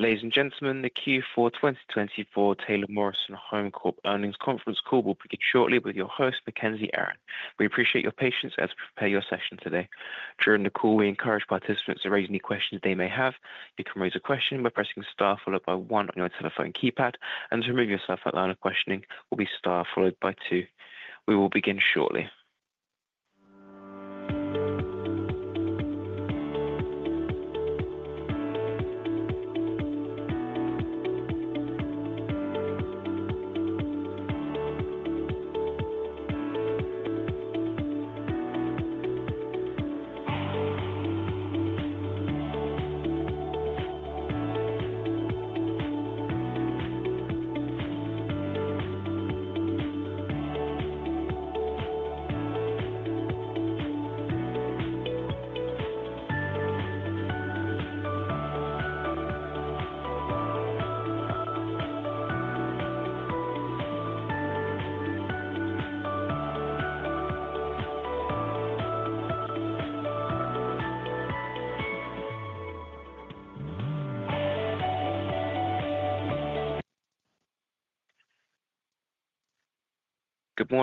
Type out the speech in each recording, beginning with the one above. Ladies and gentlemen, Q4 2024 Taylor Morrison Home Corp earnings conference call will begin shortly with your host, Mackenzie Aron. We appreciate your patience as we prepare your session today. During the call, we encourage participants to raise any questions they may have. You can raise a question by pressing star followed by one on your telephone keypad, and to remove yourself from the line of questioning will be star followed by two. We will begin shortly.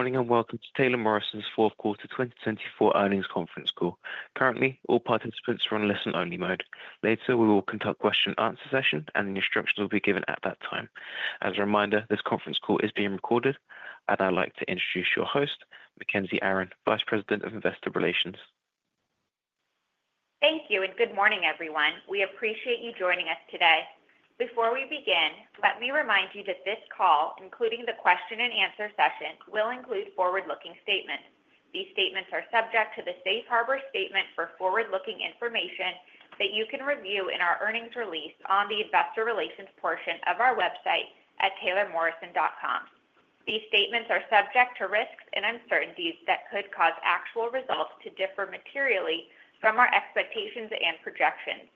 Good morning and welcome to Taylor Q4 2024 earnings conference call. Currently, all participants are in listen-only mode. Later, we will conduct a question-and-answer session, and the instructions will be given at that time. As a reminder, this conference call is being recorded, and I'd like to introduce your host, Mackenzie Aron, Vice President of Investor Relations. Thank you and good morning, everyone. We appreciate you joining us today. Before we begin, let me remind you that this call, including the question-and-answer session, will include forward-looking statements. These statements are subject to the Safe Harbor Statement for forward-looking information that you can review in our earnings release on the investor relations portion of our website at taylormorrison.com. These statements are subject to risks and uncertainties that could cause actual results to differ materially from our expectations and projections.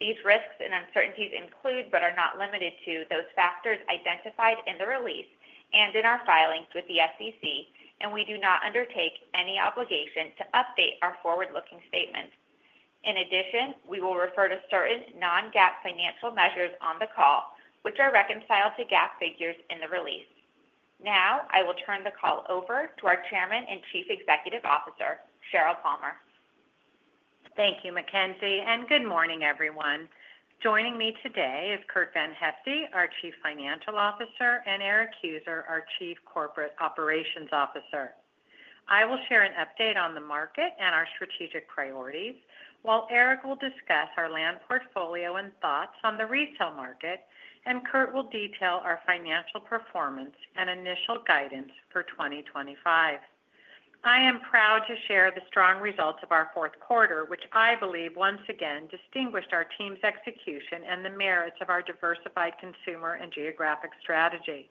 These risks and uncertainties include, but are not limited to, those factors identified in the release and in our filings with the SEC, and we do not undertake any obligation to update our forward-looking statements. In addition, we will refer to certain non-GAAP financial measures on the call, which are reconciled to GAAP figures in the release. Now, I will turn the call over to our Chairman and Chief Executive Officer, Sheryl Palmer. Thank you, Mackenzie, and good morning, everyone. Joining me today is Curt VanHyfte, our Chief Financial Officer, and Erik Heuser, our Chief Corporate Operations Officer. I will share an update on the market and our strategic priorities, while Erik will discuss our land portfolio and thoughts on the retail market, and Curt will detail our financial performance and initial guidance for 2025. I am proud to share the strong results of Q4, which I believe once again distinguished our team's execution and the merits of our diversified consumer and geographic strategy.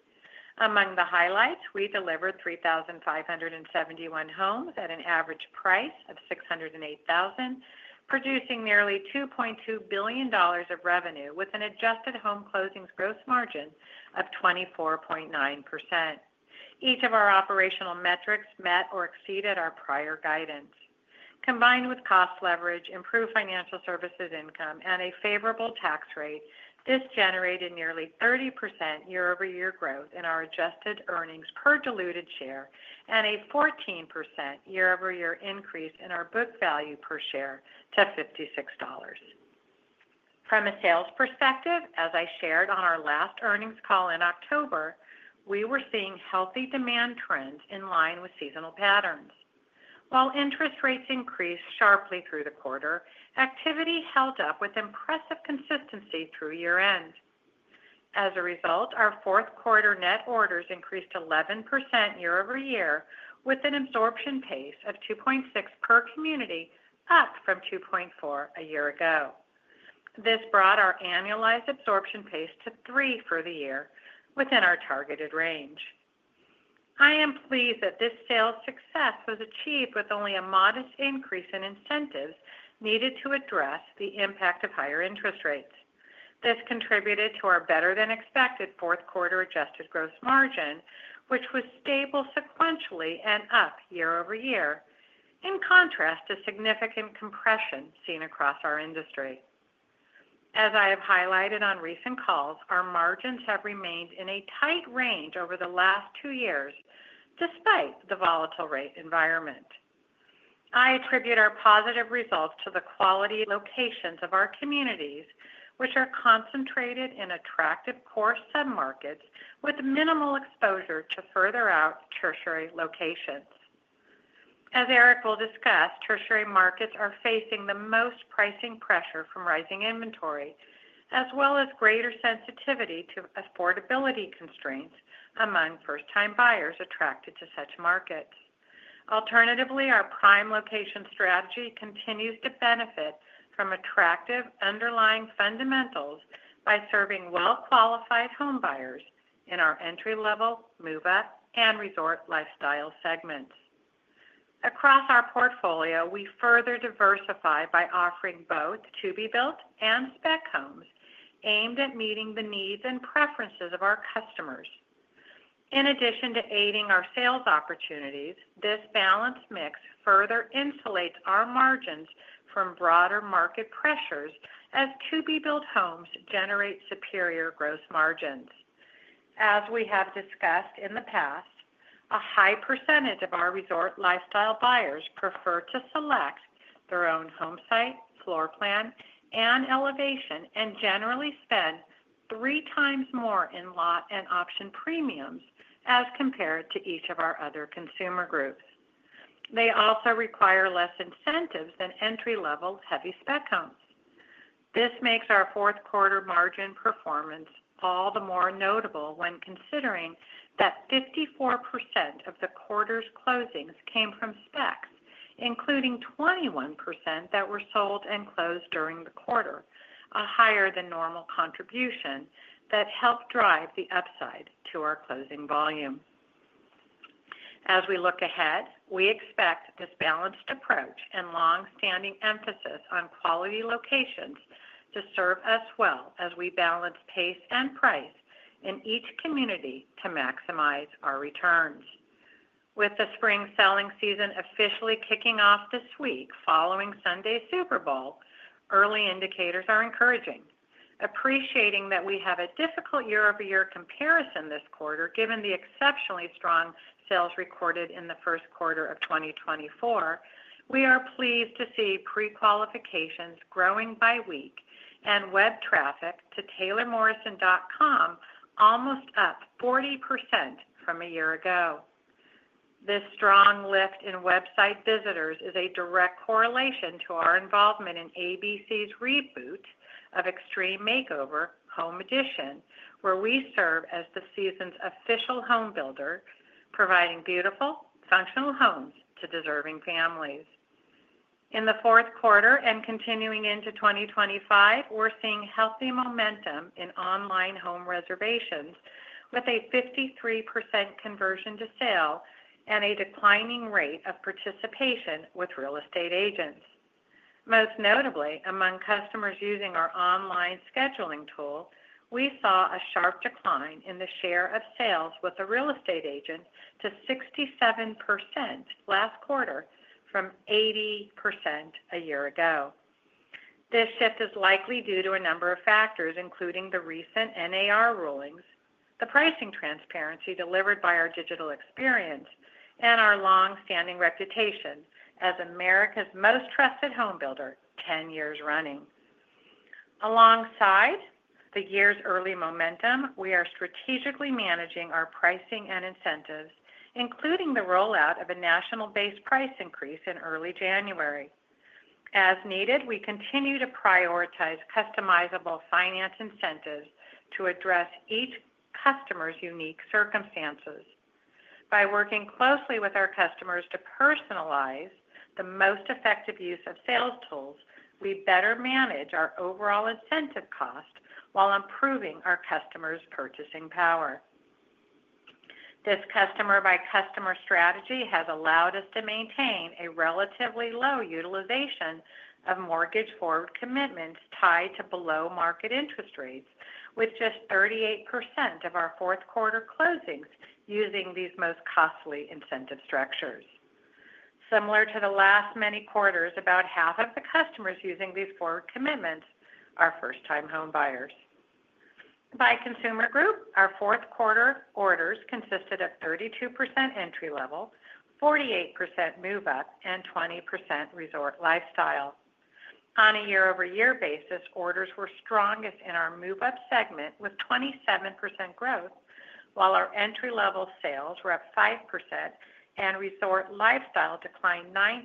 Among the highlights, we delivered 3,571 homes at an average price of $608,000, producing nearly $2.2 billion of revenue Home Closings Gross Margin of 24.9%. each of our operational metrics met or exceeded our prior guidance. Combined with cost leverage, improved financial services income, and a favorable tax rate, this generated nearly 30% year-over-year growth in our adjusted earnings per diluted share and a 14% year-over-year increase in our book value per share to $56. From a sales perspective, as I shared on our last earnings call in October, we were seeing healthy demand trends in line with seasonal patterns. While interest rates increased sharply through the quarter, activity held up with impressive consistency through year-end. As a result, Q4 net orders increased 11% year-over-year with an absorption pace of 2.6 per community, up from 2.4 a year ago. This brought our annualized absorption pace to 3 for the year, within our targeted range. I am pleased that this sales success was achieved with only a modest increase in incentives needed to address the impact of higher interest rates. This contributed to our Q4 adjusted gross margin, which was stable sequentially and up year-over-year, in contrast to significant compression seen across our industry. As I have highlighted on recent calls, our margins have remained in a tight range over the last two years, despite the volatile rate environment. I attribute our positive results to the quality locations of our communities, which are concentrated in attractive core submarkets with minimal exposure to further out tertiary locations. As Erik will discuss, tertiary markets are facing the most pricing pressure from rising inventory, as well as greater sensitivity to affordability constraints among first-time buyers attracted to such markets. Alternatively, our prime location strategy continues to benefit from attractive underlying fundamentals by serving well-qualified homebuyers in our entry-level, move-up, and Resort Lifestyle segments. Across our portfolio, we further diversify by offering both To-Be-Built and spec homes aimed at meeting the needs and preferences of our customers. In addition to aiding our sales opportunities, this balanced mix further insulates our margins from broader market pressures as To-Be-Built homes generate superior gross margins. As we have discussed in the past, a high percentage of our Resort Lifestyle buyers prefer to select their own home site, floor plan, and elevation, and generally spend three times more in lot and option premiums as compared to each of our other consumer groups. They also require less incentives than entry-level heavy spec homes. This makes Q4 margin performance all the more notable when considering that 54% of the quarter's closings came from specs, including 21% that were sold and closed during the quarter, a higher-than-normal contribution that helped drive the upside to our closing volume. As we look ahead, we expect this balanced approach and long-standing emphasis on quality locations to serve us well as we balance pace and price in each community to maximize our returns. With the spring selling season officially kicking off this week following Sunday's Super Bowl, early indicators are encouraging. Appreciating that we have a difficult year-over-year comparison this quarter given the exceptionally strong sales recorded in Q1 of 2024, we are pleased to see pre-qualifications growing by week and web traffic to taylormorrison.com almost up 40% from a year ago. This strong lift in website visitors is a direct correlation to our involvement in ABC's reboot of Extreme Makeover: Home Edition, where we serve as the season's official home builder, providing beautiful, functional homes to deserving families. In Q4 and continuing into 2025, we're seeing healthy momentum in online home reservations with a 53% conversion to sale and a declining rate of participation with real estate agents. Most notably, among customers using our online scheduling tool, we saw a sharp decline in the share of sales with a real estate agent to 67% last quarter from 80% a year ago. This shift is likely due to a number of factors, including the recent NAR rulings, the pricing transparency delivered by our digital experience, and our long-standing reputation as America's most trusted home builder 10 years running. Alongside the year's early momentum, we are strategically managing our pricing and incentives, including the rollout of a national-based price increase in early January. As needed, we continue to prioritize customizable finance incentives to address each customer's unique circumstances. By working closely with our customers to personalize the most effective use of sales tools, we better manage our overall incentive cost while improving our customers' purchasing power. This customer-by-customer strategy has allowed us to maintain a relatively low utilization of mortgage-forward commitments tied to below-market interest rates, with just 38% of Q4 closings using these most costly incentive structures. Similar to the last many quarters, about half of the customers using these forward commitments are first-time home buyers. By consumer group, Q4 orders consisted of 32% entry-level, 48% move-up, and 20% Resort Lifestyle. On a year-over-year basis, orders were strongest in our move-up segment with 27% growth, while our entry-level sales were up 5% and Resort Lifestyle declined 9%,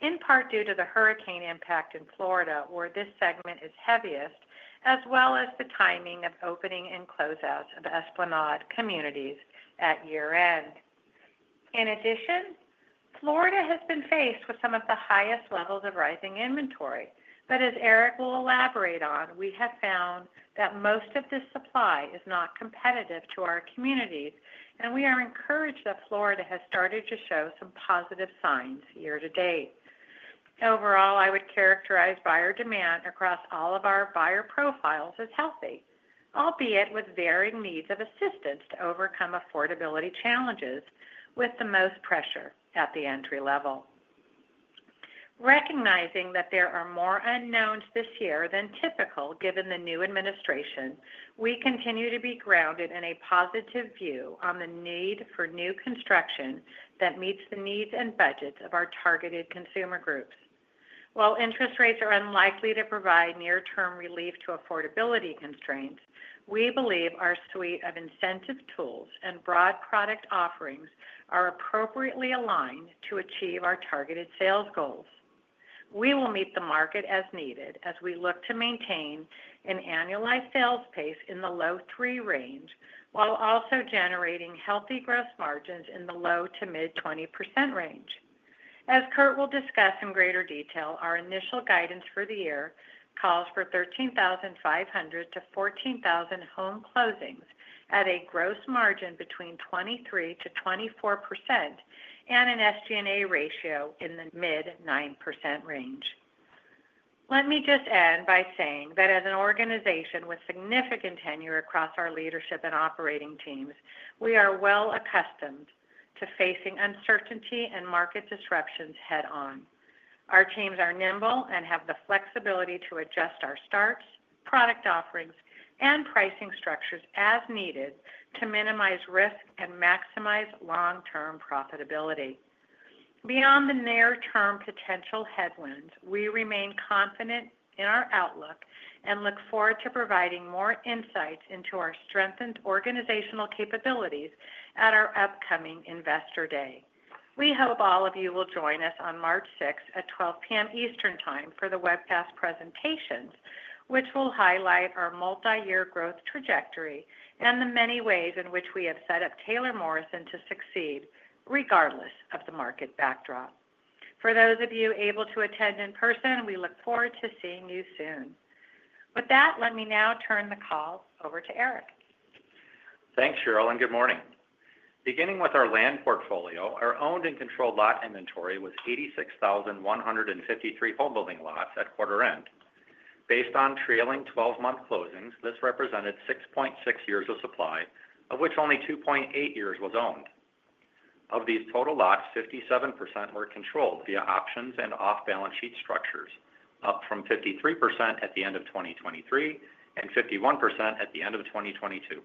in part due to the hurricane impact in Florida, where this segment is heaviest, as well as the timing of opening and closeouts of Esplanade communities at year-end. In addition, Florida has been faced with some of the highest levels of rising inventory, but as Erik will elaborate on, we have found that most of this supply is not competitive to our communities, and we are encouraged that Florida has started to show some positive signs year to date. Overall, I would characterize buyer demand across all of our buyer profiles as healthy, albeit with varying needs of assistance to overcome affordability challenges with the most pressure at the entry level. Recognizing that there are more unknowns this year than typical given the new administration, we continue to be grounded in a positive view on the need for new construction that meets the needs and budgets of our targeted consumer groups. While interest rates are unlikely to provide near-term relief to affordability constraints, we believe our suite of incentive tools and broad product offerings are appropriately aligned to achieve our targeted sales goals. We will meet the market as needed as we look to maintain an annualized sales pace in the low 3 range while also generating healthy gross margins in the low to mid-20% range. As Curt will discuss in greater detail, our initial guidance for the year calls for 13,500 to 14,000 home closings at a gross margin between 23% to 24% and an SG&A ratio in the mid-9% range. Let me just end by saying that as an organization with significant tenure across our leadership and operating teams, we are well accustomed to facing uncertainty and market disruptions head-on. Our teams are nimble and have the flexibility to adjust our starts, product offerings, and pricing structures as needed to minimize risk and maximize long-term profitability. Beyond the near-term potential headwinds, we remain confident in our outlook and look forward to providing more insights into our strengthened organizational capabilities at our upcoming Investor Day. We hope all of you will join us on March 6 at 12:00 P.M. Eastern Time for the webcast presentations, which will highlight our multi-year growth trajectory and the many ways in which we have set up Taylor Morrison to succeed regardless of the market backdrop. For those of you able to attend in person, we look forward to seeing you soon. With that, let me now turn the call over to Erik. Thanks, Sheryl, and good morning. Beginning with our land portfolio, our owned and controlled lot inventory was 86,153 home-building lots at quarter-end. Based on trailing 12-month closings, this represented 6.6 years of supply, of which only 2.8 years was owned. Of these total lots, 57% were controlled via options and off-balance sheet structures, up from 53% at the end of 2023 and 51% at the end of 2022.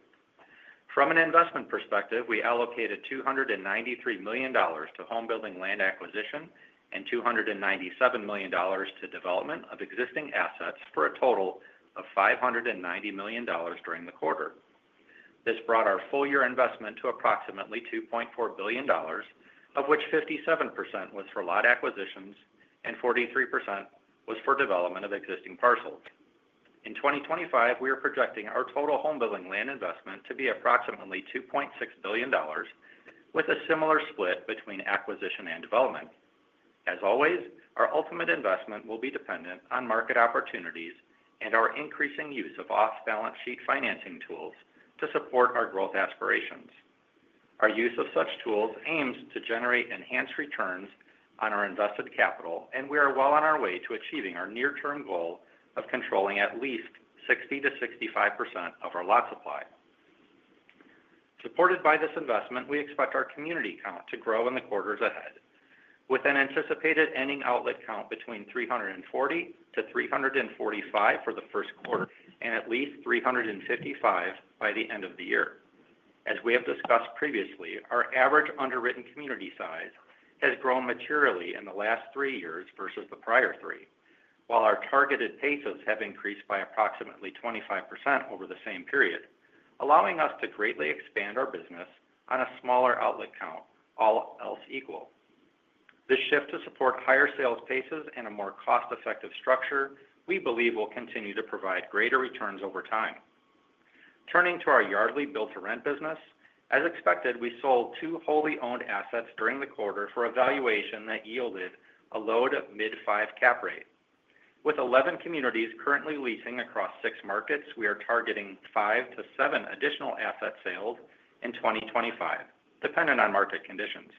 From an investment perspective, we allocated $293 million to home-building land acquisition and $297 million to development of existing assets for a total of $590 million during the quarter. This brought our full-year investment to approximately $2.4 billion, of which 57% was for lot acquisitions and 43% was for development of existing parcels. In 2025, we are projecting our total home-building land investment to be approximately $2.6 billion, with a similar split between acquisition and development. As always, our ultimate investment will be dependent on market opportunities and our increasing use of off-balance sheet financing tools to support our growth aspirations. Our use of such tools aims to generate enhanced returns on our invested capital, and we are well on our way to achieving our near-term goal of controlling at least 60% to 65% of our lot supply. Supported by this investment, we expect our community count to grow in the quarters ahead, with an anticipated ending outlet count between 340 to 345 for Q1 and at least 355 by the end of the year. As we have discussed previously, our average underwritten community size has grown materially in the last three years versus the prior three, while our targeted pace has increased by approximately 25% over the same period, allowing us to greatly expand our business on a smaller outlet count, all else equal. This shift to support higher sales paces and a more cost-effective structure, we believe, will continue to provide greater returns over time. Turning to our Yardly Build-to-Rent business, as expected, we sold two wholly owned assets during the quarter for a valuation that yielded a low-to-mid-5 % cap rate. With 11 communities currently leasing across six markets, we are targeting five to seven additional assets sold in 2025, dependent on market conditions.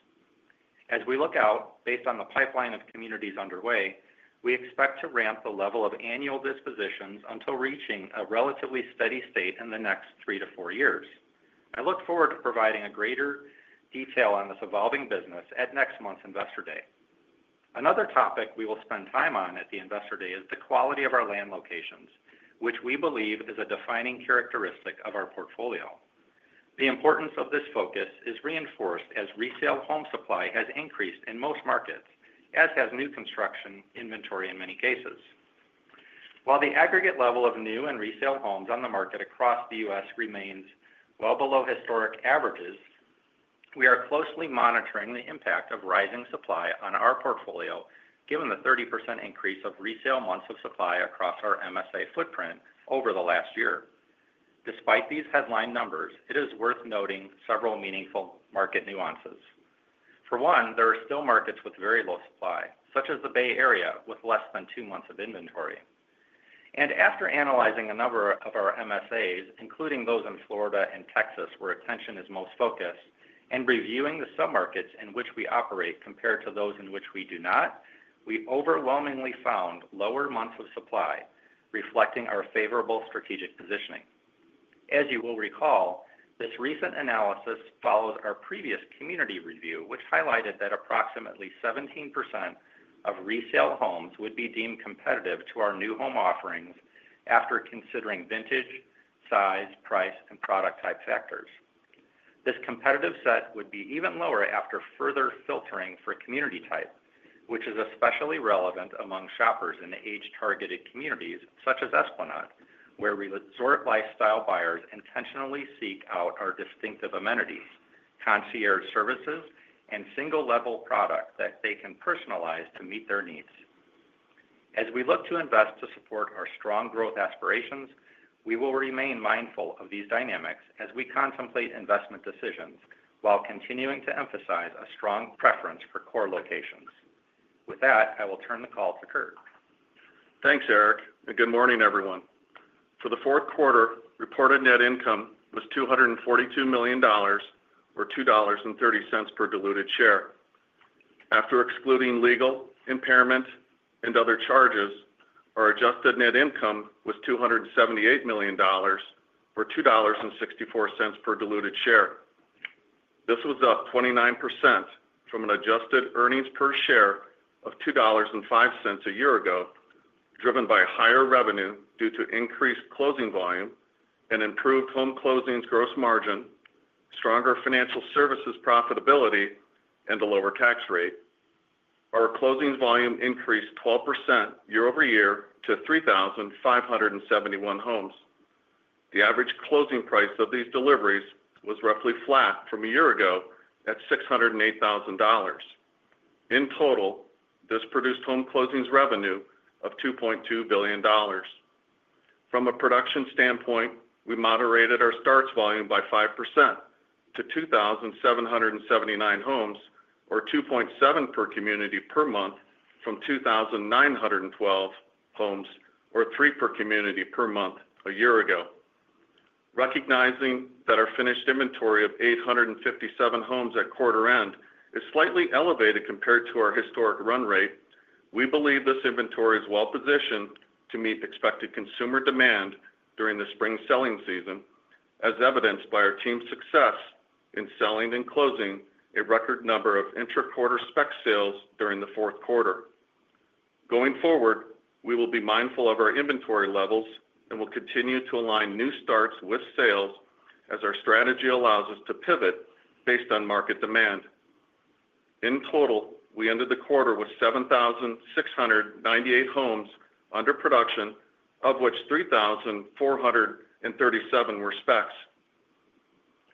As we look out based on the pipeline of communities underway, we expect to ramp the level of annual dispositions until reaching a relatively steady state in the next three to four years. I look forward to providing a greater detail on this evolving business at next month's Investor Day. Another topic we will spend time on at the Investor Day is the quality of our land locations, which we believe is a defining characteristic of our portfolio. The importance of this focus is reinforced as resale home supply has increased in most markets, as has new construction inventory in many cases. While the aggregate level of new and resale homes on the market across the U.S remains well below historic averages, we are closely monitoring the impact of rising supply on our portfolio, given the 30% increase of resale months of supply across our MSA footprint over the last year. Despite these headline numbers, it is worth noting several meaningful market nuances. For one, there are still markets with very low supply, such as the Bay Area, with less than two months of inventory. After analyzing a number of our MSAs, including those in Florida and Texas where attention is most focused, and reviewing the sub-markets in which we operate compared to those in which we do not, we overwhelmingly found lower months of supply, reflecting our favorable strategic positioning. As you will recall, this recent analysis follows our previous community review, which highlighted that approximately 17% of resale homes would be deemed competitive to our new home offerings after considering vintage, size, price, and product type factors. This competitive set would be even lower after further filtering for community type, which is especially relevant among shoppers in age-targeted communities such as Esplanade, where Resort Lifestyle buyers intentionally seek out our distinctive amenities, concierge services, and single-level product that they can personalize to meet their needs. As we look to invest to support our strong growth aspirations, we will remain mindful of these dynamics as we contemplate investment decisions while continuing to emphasize a strong preference for core locations. With that, I will turn the call to Curt. Thanks, Erik. And good morning, everyone. For Q4, reported net income was $242 million, or $2.30 per diluted share. After excluding legal impairment and other charges, our adjusted net income was $278 million, or $2.64 per diluted share. This was up 29% from an adjusted earnings per share of $2.05 a year ago, driven by higher revenue due to increased closing Home Closings Gross Margin, stronger financial services profitability, and a lower tax rate. Our closing volume increased 12% year-over-year to 3,571 homes. The average closing price of these deliveries was roughly flat from a year ago at $608,000. In total, this produced home closings revenue of $2.2 billion. From a production standpoint, we moderated our starts volume by 5% to 2,779 homes, or 2.7 per community per month from 2,912 homes, or 3 per community per month a year ago. Recognizing that our finished inventory of 857 homes at quarter-end is slightly elevated compared to our historic run rate, we believe this inventory is well positioned to meet expected consumer demand during the spring selling season, as evidenced by our team's success in selling and closing a record number of intra-quarter Spec sales during Q4. Going forward, we will be mindful of our inventory levels and will continue to align new starts with sales as our strategy allows us to pivot based on market demand. In total, we ended the quarter with 7,698 homes under production, of which 3,437 were specs.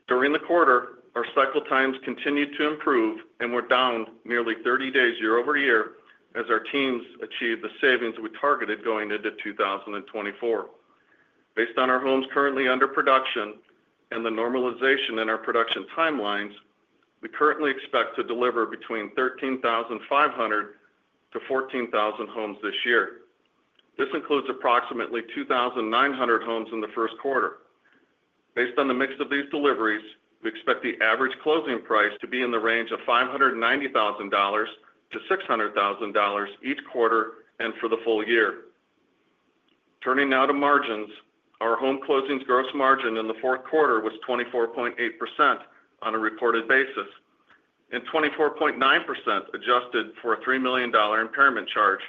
During the quarter, our cycle times continued to improve and were down nearly 30 days year-over-year as our teams achieved the savings we targeted going into 2024. Based on our homes currently under production and the normalization in our production timelines, we currently expect to deliver between 13,500 to 14,000 homes this year. This includes approximately 2,900 homes in Q1. Based on the mix of these deliveries, we expect the average closing price to be in the range of $590,000 to $600,000 each quarter and for the full year. Turning now, Home Closings Gross Margin in Q4 was 24.8% on a reported basis, and 24.9% adjusted for a $3 million impairment charge.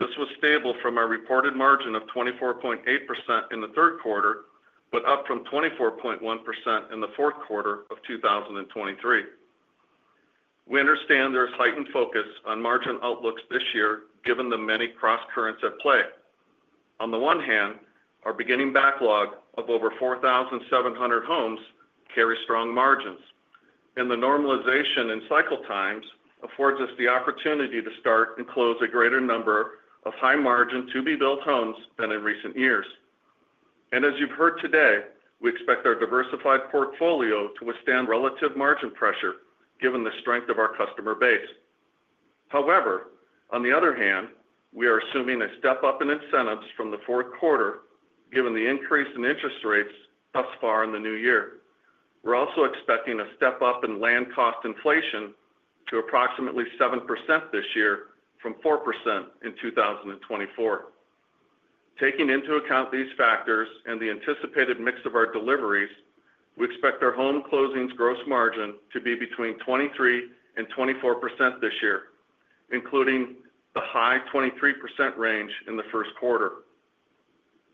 This was stable from our reported margin of 24.8% in Q3, but up from 24.1% in Q4 of 2023. We understand there is heightened focus on margin outlooks this year given the many cross currents at play. On the one hand, our beginning backlog of over 4,700 homes carries strong margins, and the normalization in cycle times affords us the opportunity to start and close a greater number of high-margin To-Be-Built homes than in recent years. And as you've heard today, we expect our diversified portfolio to withstand relative margin pressure given the strength of our customer base. However, on the other hand, we are assuming a step-up in incentives from Q4 given the increase in interest rates thus far in the new year. We're also expecting a step-up in Land Cost Inflation to approximately 7% this year from 4% in 2024. Taking into account these factors and the anticipated mix of our deliveries, Home Closings Gross Margin to be between 23% and 24% this year, including the High-23% range in the Q1.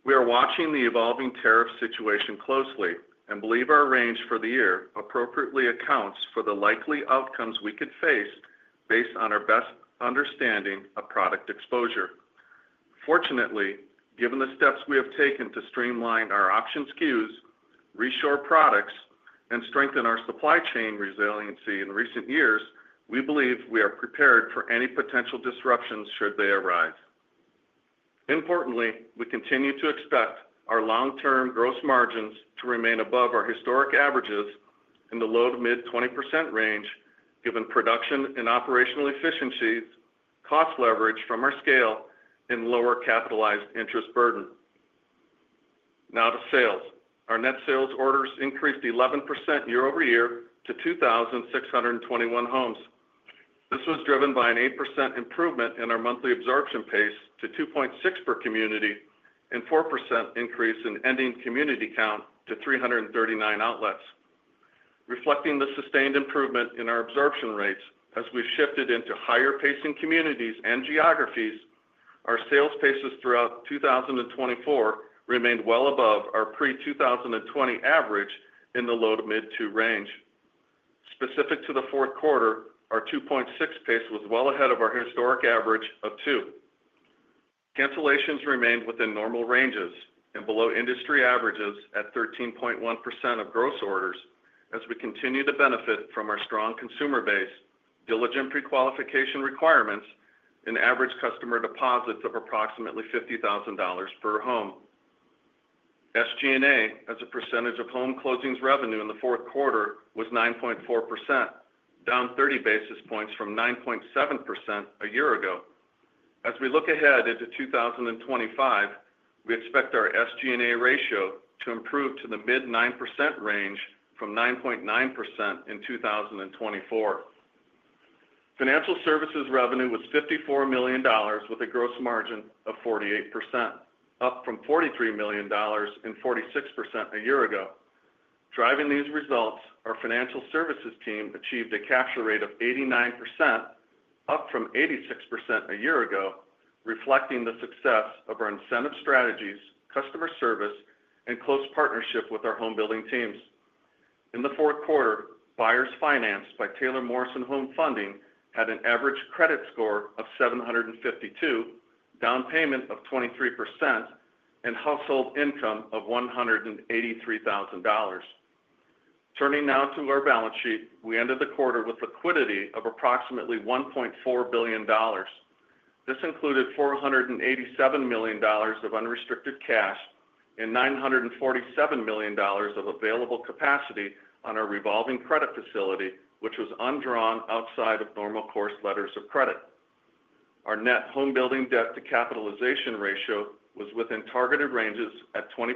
We are watching the evolving tariff situation closely and believe our range for the year appropriately accounts for the likely outcomes we could face based on our best understanding of product exposure. Fortunately, given the steps we have taken to streamline our option SKUs, reshore products, and strengthen our supply chain resiliency in recent years, we believe we are prepared for any potential disruptions should they arise. Importantly, we continue to expect our long-term gross margins to remain above our historic averages in the low-to-mid-20% range given production and operational efficiencies, cost leverage from our scale, and lower capitalized interest burden. Now to sales. Our net sales orders increased 11% year-over-year to 2,621 homes. This was driven by an 8% improvement in our monthly absorption pace to 2.6 per community and 4% increase in ending community count to 339 outlets. Reflecting the sustained improvement in our absorption rates as we've shifted into higher pacing communities and geographies, our sales paces throughout 2024 remained well above our pre-2020 average in the low-to-mid-2% range. Specific to Q4, our 2.6% pace was well ahead of our historic average of 2%. Cancellations remained within normal ranges and below industry averages at 13.1% of gross orders as we continue to benefit from our strong consumer base, diligent prequalification requirements, and average customer deposits of approximately $50,000 per home. SG&A as a percentage of home closings revenue in Q4 was 9.4%, down 30 basis points from 9.7% a year ago. As we look ahead into 2025, we expect our SG&A ratio to improve to the mid-9% range from 9.9% in 2024. Financial services revenue was $54 million with a gross margin of 48%, up from $43 million and 46% a year ago. Driving these results, our financial services team achieved a capture rate of 89%, up from 86% a year ago, reflecting the success of our incentive strategies, customer service, and close partnership with our home building teams. In Q4, buyers financed by Taylor Morrison Home Funding had an average credit score of 752, down payment of 23%, and household income of $183,000. Turning now to our balance sheet, we ended the quarter with liquidity of approximately $1.4 billion. This included $487 million of unrestricted cash and $947 million of available capacity on our revolving credit facility, which was undrawn outside of normal course letters of credit. Our net home building debt to capitalization ratio was within targeted ranges at 20%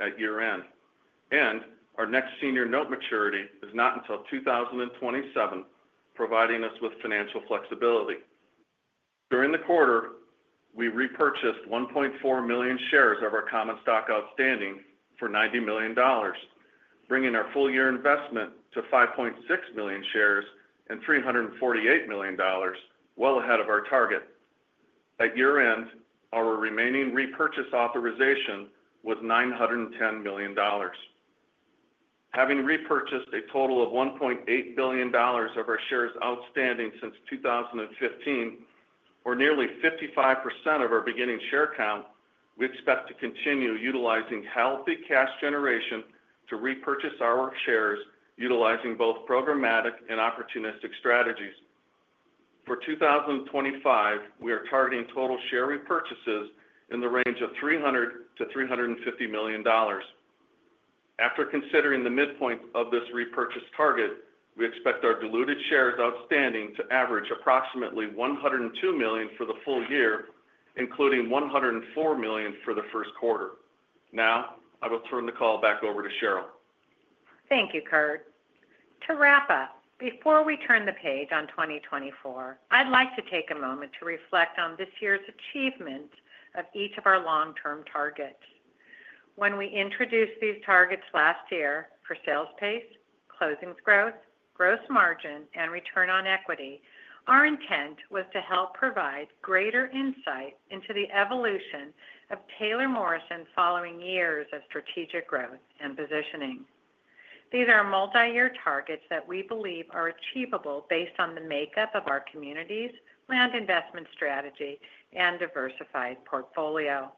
at year-end, and our next senior note maturity is not until 2027, providing us with financial flexibility. During the quarter, we repurchased 1.4 million shares of our common stock outstanding for $90 million, bringing our full-year investment to 5.6 million shares and $348 million, well ahead of our target. At year-end, our remaining repurchase authorization was $910 million. Having repurchased a total of $1.8 billion of our shares outstanding since 2015, or nearly 55% of our beginning share count, we expect to continue utilizing healthy cash generation to repurchase our shares utilizing both programmatic and opportunistic strategies. For 2025, we are targeting total share repurchases in the range of $300 to 350 million. After considering the midpoint of this repurchase target, we expect our diluted shares outstanding to average approximately 102 million for the full year, including 104 million for Q1. now, I will turn the call back over to Sheryl. Thank you, Curt. To wrap up, before we turn the page on 2024, I'd like to take a moment to reflect on this year's achievement of each of our long-term targets. When we introduced these targets last year for sales pace, closings growth, gross margin, and return on equity, our intent was to help provide greater insight into the evolution of Taylor Morrison's following years of strategic growth and positioning. These are multi-year targets that we believe are achievable based on the makeup of our communities, land investment strategy, and diversified portfolio.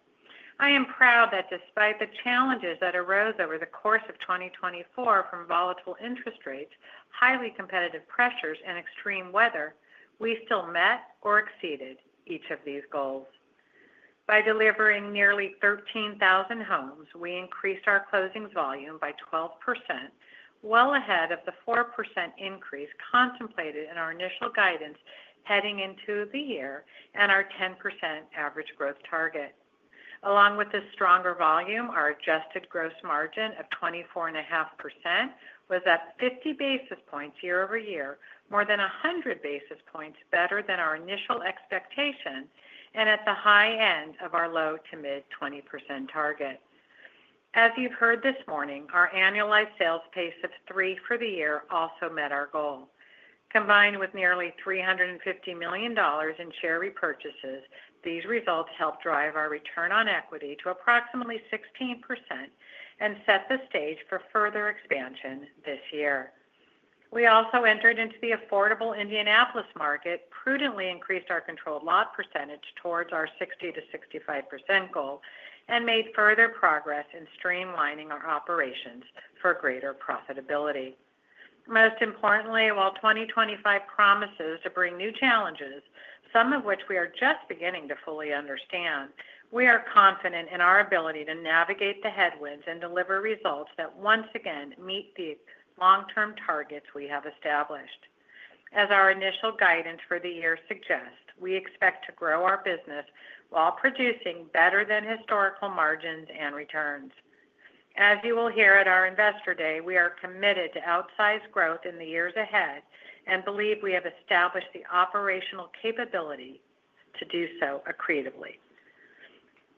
I am proud that despite the challenges that arose over the course of 2024 from volatile interest rates, highly competitive pressures, and extreme weather, we still met or exceeded each of these goals. By delivering nearly 13,000 homes, we increased our closings volume by 12%, well ahead of the 4% increase contemplated in our initial guidance heading into the year and our 10% average growth target. Along with this stronger volume, our adjusted gross margin of 24.5% was up 50 basis points year-over-year, more than 100 basis points better than our initial expectation, and at the high end of our low to mid-20% target. As you've heard this morning, our annualized sales pace of 3 for the year also met our goal. Combined with nearly $350 million in share repurchases, these results helped drive our return on equity to approximately 16% and set the stage for further expansion this year. We also entered into the affordable Indianapolis market, prudently increased our controlled lot percentage towards our 60% to 65% goal, and made further progress in streamlining our operations for greater profitability. Most importantly, while 2025 promises to bring new challenges, some of which we are just beginning to fully understand, we are confident in our ability to navigate the headwinds and deliver results that once again meet the long-term targets we have established. As our initial guidance for the year suggests, we expect to grow our business while producing better than historical margins and returns. As you will hear at our Investor Day, we are committed to outsized growth in the years ahead and believe we have established the operational capability to do so accretively.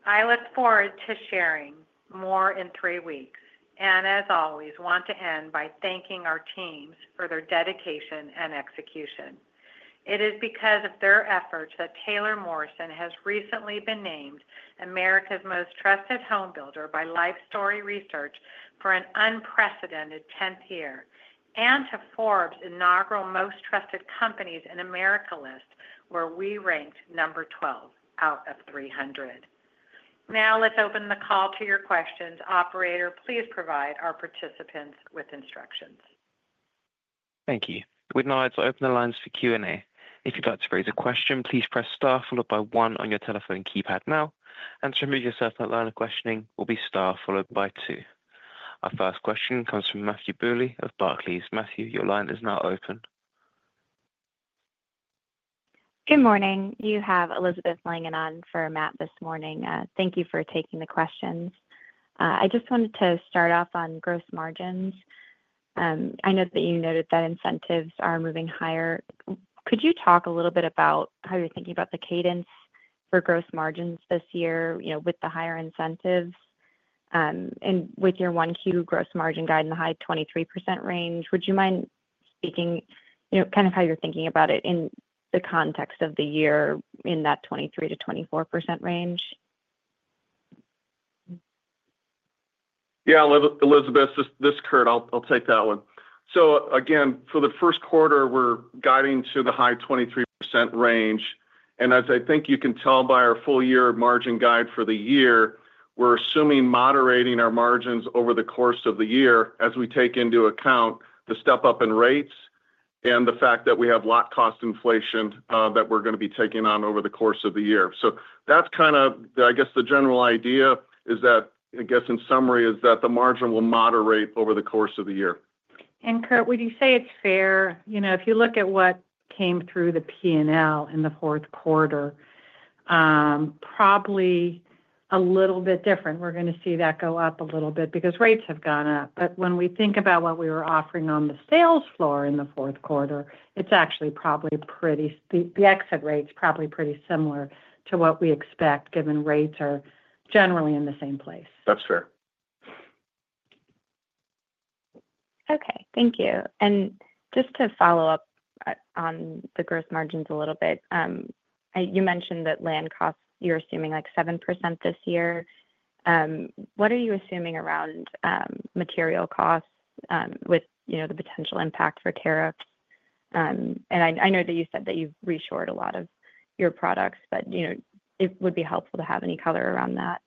I look forward to sharing more in three weeks and, as always, want to end by thanking our teams for their dedication and execution. It is because of their efforts that Taylor Morrison has recently been named America's Most Trusted Home Builder by Lifestory Research for an unprecedented 10th year and to Forbes' Inaugural Most Trusted Companies in America list, where we ranked number 12 out of 300. Now, let's open the call to your questions. Operator, please provide our participants with instructions. Thank you. Within hours, I'll open the lines for Q&A. If you'd like to raise a question, please press star followed by one on your telephone keypad now, and to remove yourself from the line of questioning, it will be star followed by two. Our first question comes from Matthew Bouley of Barclays. Matthew, your line is now open. Good morning. You have Elizabeth Langan on for Matt this morning. Thank you for taking the questions. I just wanted to start off on gross margins. I know that you noted that incentives are moving higher. Could you talk a little bit about how you're thinking about the cadence for gross margins this year with the higher incentives and with your Q1 gross margin guide in the high 23% range? Would you mind speaking kind of how you're thinking about it in the context of the year in that 23% to 24% range? Yeah, Elizabeth, this is Curt. I'll take that one. So again, for Q1, we're guiding to the High23% range. As I think you can tell by our full-year margin guide for the year, we're assuming moderating our margins over the course of the year as we take into account the step-up in rates and the fact that we have lot cost inflation that we're going to be taking on over the course of the year. So that's kind of, I guess, the general idea is that, I guess in summary, is that the margin will moderate over the course of the year. Curt, would you say it's fair? If you look at what came through the P&L in Q4, probably a little bit different. We're going to see that go up a little bit because rates have gone up. But when we think about what we were offering on the sales floor in Q4, it's actually probably pretty, the exit rate's probably pretty similar to what we expect given rates are generally in the same place. That's fair. Okay. Thank you. And just to follow up on the gross margins a little bit, you mentioned that land costs, you're assuming like 7% this year. What are you assuming around material costs with the potential impact for tariffs? I know that you said that you've reshored a lot of your products, but it would be helpful to have any color around that.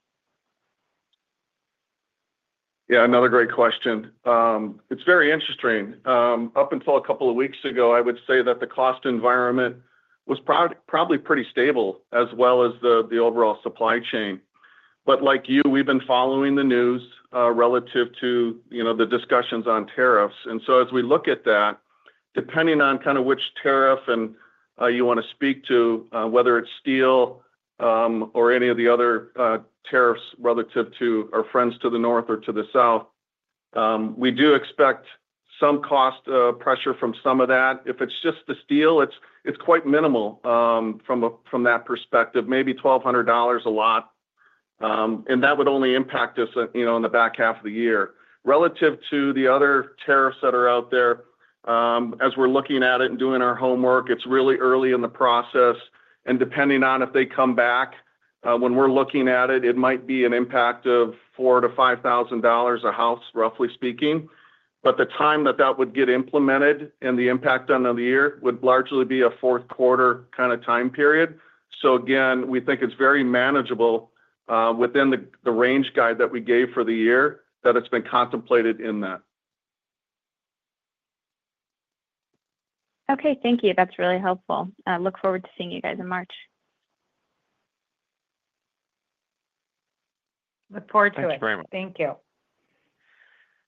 Yeah, another great question. It's very interesting. Up until a couple of weeks ago, I would say that the cost environment was probably pretty stable as well as the overall supply chain. But like you, we've been following the news relative to the discussions on tariffs. So as we look at that, depending on kind of which tariff you want to speak to, whether it's steel or any of the other tariffs relative to our friends to the north or to the south, we do expect some cost pressure from some of that. If it's just the steel, it's quite minimal from that perspective, maybe $1,200 a lot. That would only impact us in the back half of the year. Relative to the other tariffs that are out there, as we're looking at it and doing our homework, it's really early in the process. And depending on if they come back, when we're looking at it, it might be an impact of $4,000 to $5,000 a house, roughly speaking. But the time that that would get implemented and the impact done on the year would largely be Q4 kind of time period. So again, we think it's very manageable within the range guide that we gave for the year that it's been contemplated in that. Okay. Thank you. That's really helpful. Look forward to seeing you guys in March. Look forward to it. Thank you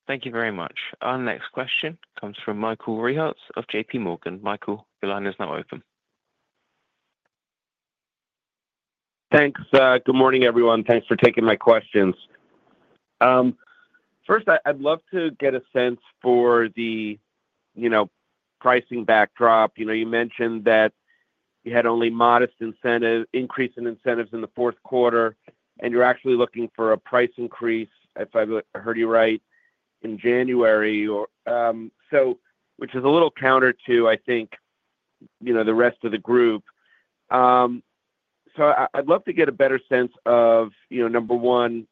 very much. Thank you. Thank you very much. Our next question comes from Michael Rehaut of JPMorgan. Michael, your line is now open. Thanks. Good morning, everyone. Thanks for taking my questions. First, I'd love to get a sense for the pricing backdrop. You mentioned that you had only modest increase in incentives in Q4, and you're actually looking for a price increase, if I've heard you right, in January, which is a little counter to, I think, the rest of the group. So I'd love to get a better sense of, number one,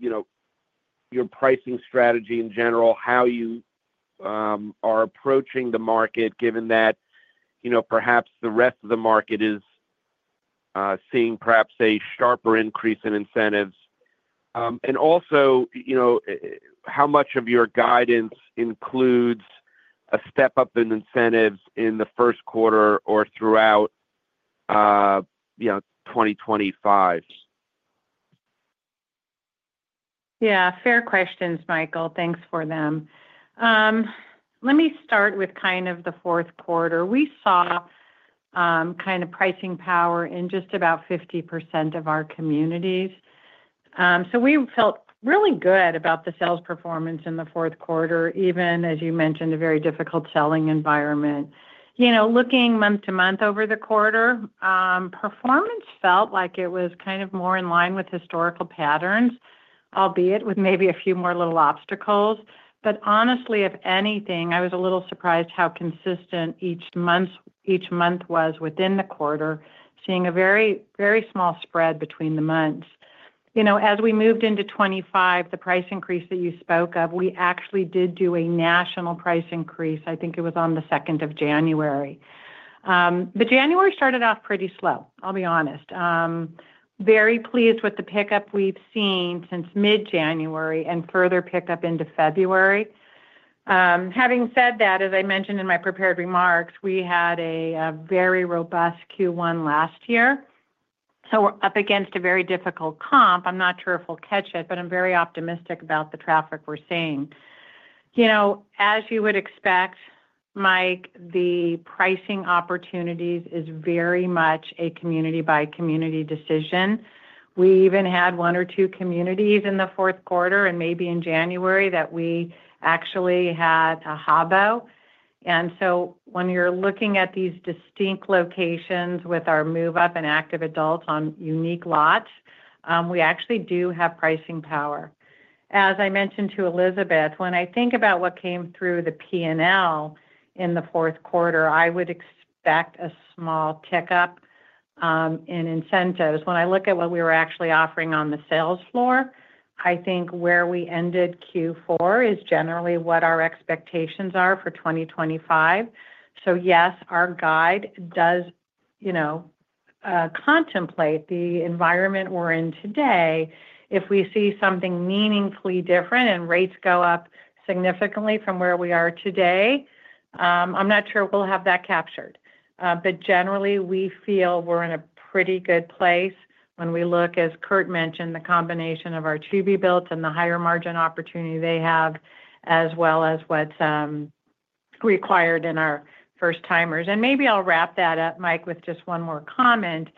your pricing strategy in general, how you are approaching the market, given that perhaps the rest of the market is seeing perhaps a sharper increase in incentives. Also, how much of your guidance includes a step-up in incentives in Q1 or throughout 2025? Yeah. Fair questions, Michael. Thanks for them. Let me start with kind of Q4. we saw kind of pricing power in just about 50% of our communities. So we felt really good about the sales performance in Q4, even, as you mentioned, a very difficult selling environment. Looking month to month over the quarter, performance felt like it was kind of more in line with historical patterns, albeit with maybe a few more little obstacles. But honestly, if anything, I was a little surprised how consistent each month was within the quarter, seeing a very, very small spread between the months. As we moved into 2025, the price increase that you spoke of, we actually did do a national price increase. I think it was on the 2nd of January. But January started off pretty slow, I'll be honest. Very pleased with the pickup we've seen since mid-January and further pickup into February. Having said that, as I mentioned in my prepared remarks, we had a very Q1 last year. So we're up against a very difficult comp. I'm not sure if we'll catch it, but I'm very optimistic about the traffic we're seeing. As you would expect, Mike, the pricing opportunities is very much a community-by-community decision. We even had one or two communities in Q4 and maybe in January that we actually had a HOM. So when you're looking at these distinct locations with our move-up and active adults on unique lots, we actually do have pricing power. As I mentioned to Elizabeth, when I think about what came through the P&L in Q4, i would expect a small pickup in incentives. When I look at what we were actually offering on the sales floor, I think where we Q4 is generally what our expectations are for 2025, so yes, our guide does contemplate the environment we're in today. If we see something meaningfully different and rates go up significantly from where we are today, I'm not sure we'll have that captured, but generally, we feel we're in a pretty good place when we look, as Curt mentioned, the combination of our to-be-builts and the higher margin opportunity they have, as well as what's required in our first-timers, and maybe I'll wrap that up, Mike, with just one more comment,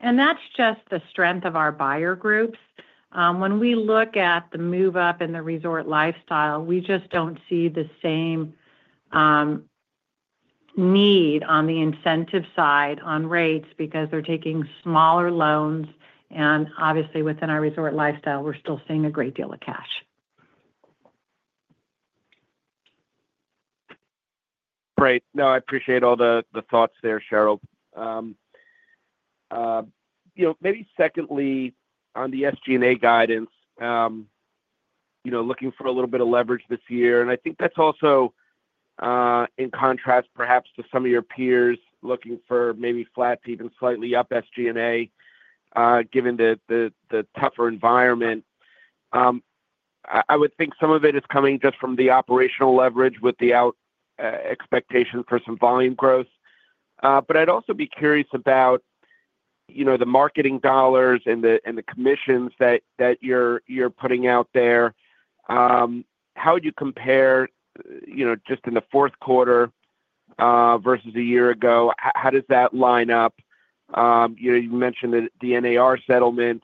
and that's just the strength of our buyer groups. When we look at the move-up and the Resort Lifestyle, we just don't see the same need on the incentive side on rates because they're taking smaller loans. Obviously, within our Resort Lifestyle, we're still seeing a great deal of cash. Great. No, I appreciate all the thoughts there, Sheryl. Maybe secondly, on the SG&A guidance, looking for a little bit of leverage this year. I think that's also in contrast perhaps to some of your peers looking for maybe flat to even slightly up SG&A, given the tougher environment. I would think some of it is coming just from the operational leverage with the expectation for some volume growth. But I'd also be curious about the marketing dollars and the commissions that you're putting out there. How would you compare just in Q4 versus a year ago? How does that line up? You mentioned the NAR settlement.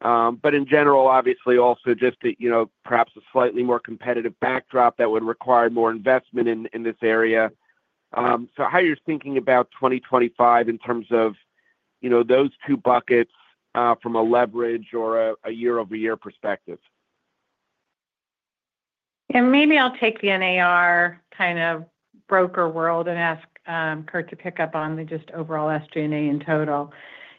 But in general, obviously, also just perhaps a slightly more competitive backdrop that would require more investment in this area. So how are you thinking about 2025 in terms of those two buckets from a leverage or a year-over-year perspective? Maybe I'll take the NAR kind of broker world and ask Curt to pick up on the just overall SG&A in total.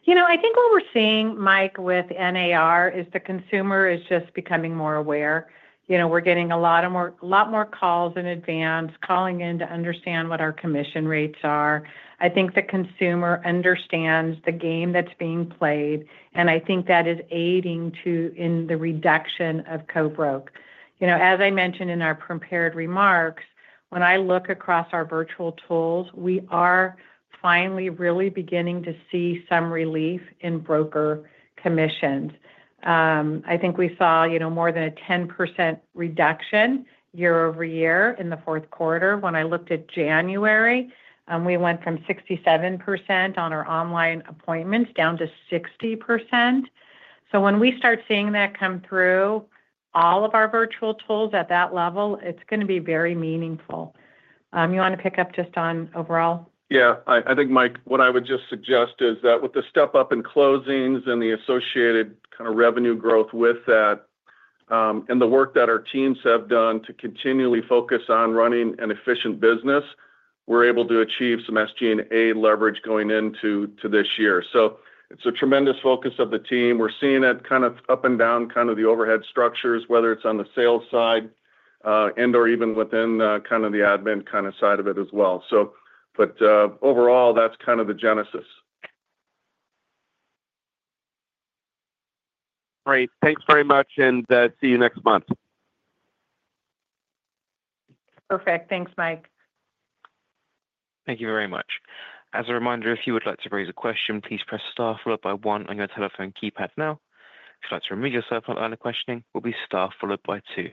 I think what we're seeing, Mike, with NAR is the consumer is just becoming more aware. We're getting a lot more calls in advance, calling in to understand what our commission rates are. I think the consumer understands the game that's being played. I think that is aiding to in the reduction of co-broke. As I mentioned in our prepared remarks, when I look across our virtual tools, we are finally really beginning to see some relief in broker commissions. I think we saw more than a 10% reduction year-over-year in Q4. When I looked at January, we went from 67% on our online appointments down to 60%. So when we start seeing that come through all of our virtual tools at that level, it's going to be very meaningful. You want to pick up just on overall? Yeah. I think, Mike, what I would just suggest is that with the step-up in closings and the associated kind of revenue growth with that and the work that our teams have done to continually focus on running an efficient business, we're able to achieve some SG&A leverage going into this year, so it's a tremendous focus of the team. We're seeing it kind of up and down kind of the overhead structures, whether it's on the sales side and/or even within kind of the admin kind of side of it as well, so but overall, that's kind of the genesis. Great. Thanks very much. And see you next month. Perfect. Thanks, Mike. Thank you very much. As a reminder, if you would like to raise a question, please press star followed by one on your telephone keypad now. If you'd like to remove yourself out of the line of questioning, we'll be star followed by two.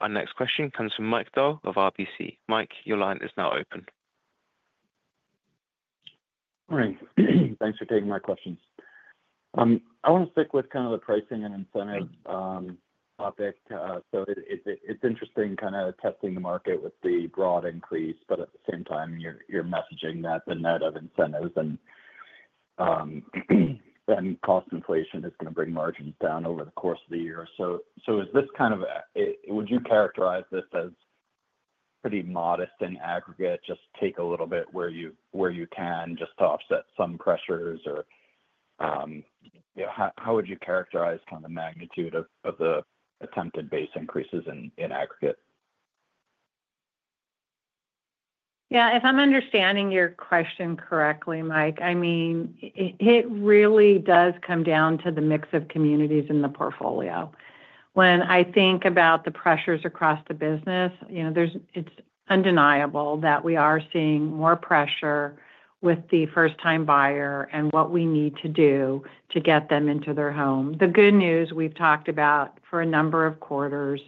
Our next question comes from Mike Dahl of RBC. Mike, your line is now open. Morning. Thanks for taking my questions. I want to stick with kind of the pricing and incentive topic. So it's interesting kind of testing the market with the broad increase, but at the same time, you're messaging that the net of incentives and cost inflation is going to bring margins down over the course of the year. So is this kind of would you characterize this as pretty modest in aggregate, just take a little bit where you can just to offset some pressures? Or how would you characterize kind of the magnitude of the attempted base increases in aggregate? Yeah. If I'm understanding your question correctly, Mike, I mean, it really does come down to the mix of communities in the portfolio. When I think about the pressures across the business, it's undeniable that we are seeing more pressure with the first-time buyer and what we need to do to get them into their home. The good news we've talked about for a number of quarters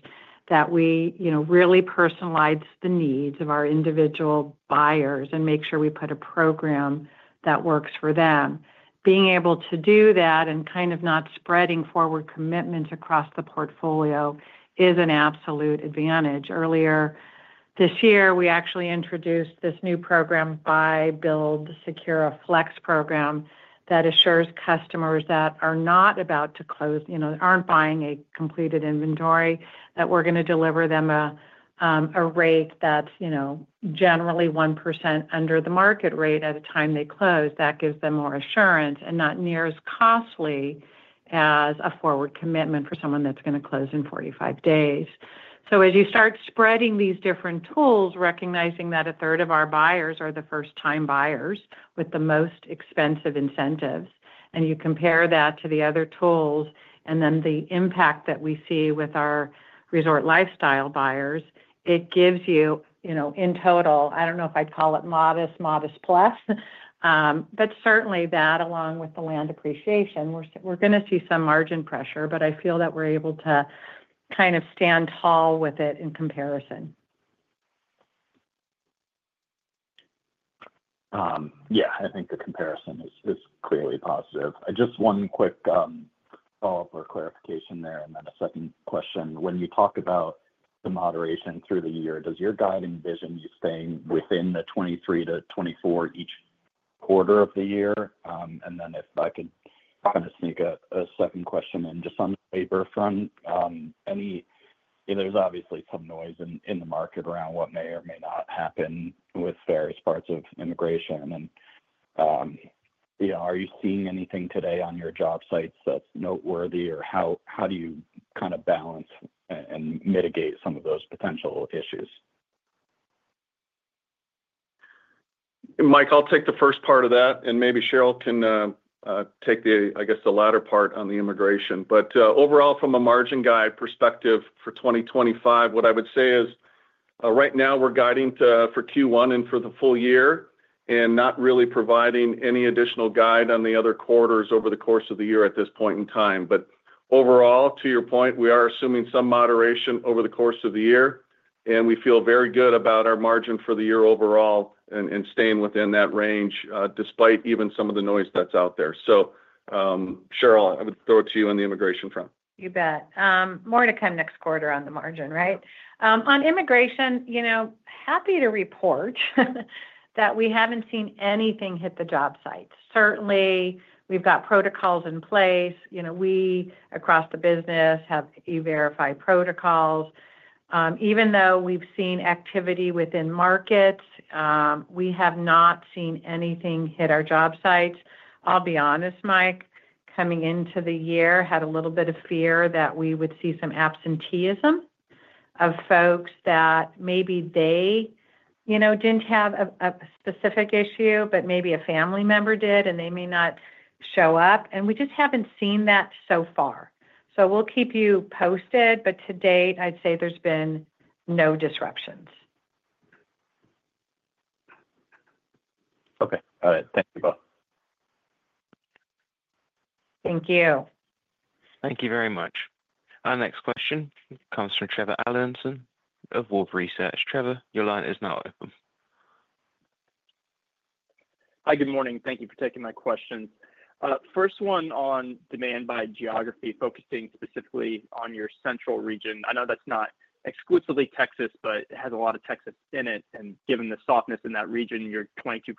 that we really personalize the needs of our individual buyers and make sure we put a program that works for them. Being able to do that and kind of not spreading forward commitments across the portfolio is an absolute advantage. Earlier this year, we actually introduced this new program, the Buy Build Secure Flex program, that assures customers that are not about to close, aren't buying a completed inventory, that we're going to deliver them a rate that's generally 1% under the market rate at a time they close. That gives them more assurance and not near as costly as a forward commitment for someone that's going to close in 45 days. So as you start spreading these different tools, recognizing that a third of our buyers are the first-time buyers with the most expensive incentives, and you compare that to the other tools and then the impact that we see with our Resort Lifestyle buyers, it gives you in total, I don't know if I'd call it modest, modest plus, but certainly that along with the land appreciation, we're going to see some margin pressure, but I feel that we're able to kind of stand tall with it in comparison. Yeah. I think the comparison is clearly positive. Just one quick follow-up or clarification there, and then a second question. When you talk about the moderation through the year, does your guiding vision be staying within the 2023 to 2024 each quarter of the year? And then if I could kind of sneak a second question in just on the labor front. There's obviously some noise in the market around what may or may not happen with various parts of immigration. And are you seeing anything today on your job sites that's noteworthy, or how do you kind of balance and mitigate some of those potential issues? Mike, I'll take the first part of that, and maybe Sheryl can take the, I guess, the latter part on the immigration. But overall, from a margin guide perspective for 2025, what I would say is right now we're guiding Q1 and for the full year and not really providing any additional guide on the other quarters over the course of the year at this point in time. But overall, to your point, we are assuming some moderation over the course of the year, and we feel very good about our margin for the year overall and staying within that range despite even some of the noise that's out there. So Sheryl, I would throw it to you on the immigration front. You bet. More to come next quarter on the margin, right? On immigration, happy to report that we haven't seen anything hit the job sites. Certainly, we've got protocols in place. We across the business have E-Verify protocols. Even though we've seen activity within markets, we have not seen anything hit our job sites. I'll be honest, Mike, coming into the year, had a little bit of fear that we would see some absenteeism of folks that maybe they didn't have a specific issue, but maybe a family member did, and they may not show up, and we just haven't seen that so far, so we'll keep you posted, but to date, I'd say there's been no disruptions. Okay. Got it. Thank you both. Thank you. Thank you very much. Our next question comes from Trevor Allinson of Wolfe Research. Trevor, your line is now open. Hi, good morning. Thank you for taking my questions. First one on demand by geography, focusing specifically on your central region. I know that's not exclusively Texas, but it has a lot of Texas in it. And given the softness in that region, your 22%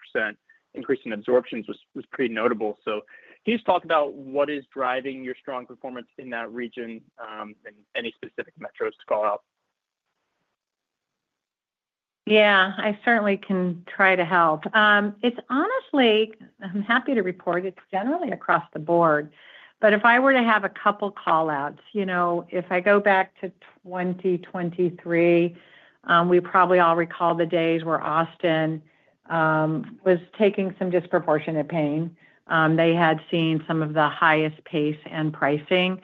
increase in absorptions was pretty notable. So can you just talk about what is driving your strong performance in that region and any specific metros to call out? Yeah. I certainly can try to help. It's honestly, I'm happy to report it's generally across the board. But if I were to have a couple of callouts, if I go back to 2023, we probably all recall the days where Austin was taking some disproportionate pain. They had seen some of the highest pace and pricing.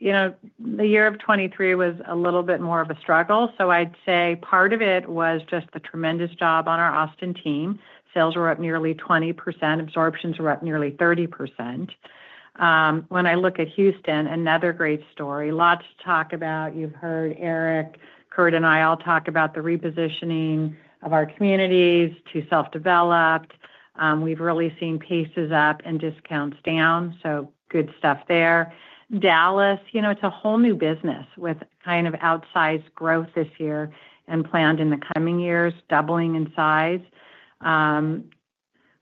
The year of 2023 was a little bit more of a struggle. So I'd say part of it was just the tremendous job on our Austin team. Sales were up nearly 20%. Absorptions were up nearly 30%. When I look at Houston, another great story. Lots to talk about. You've heard Erik, Curt, and I all talk about the repositioning of our communities to self-developed. We've really seen paces up and discounts down. So good stuff there. Dallas, it's a whole new business with kind of outsized growth this year and planned in the coming years, doubling in size.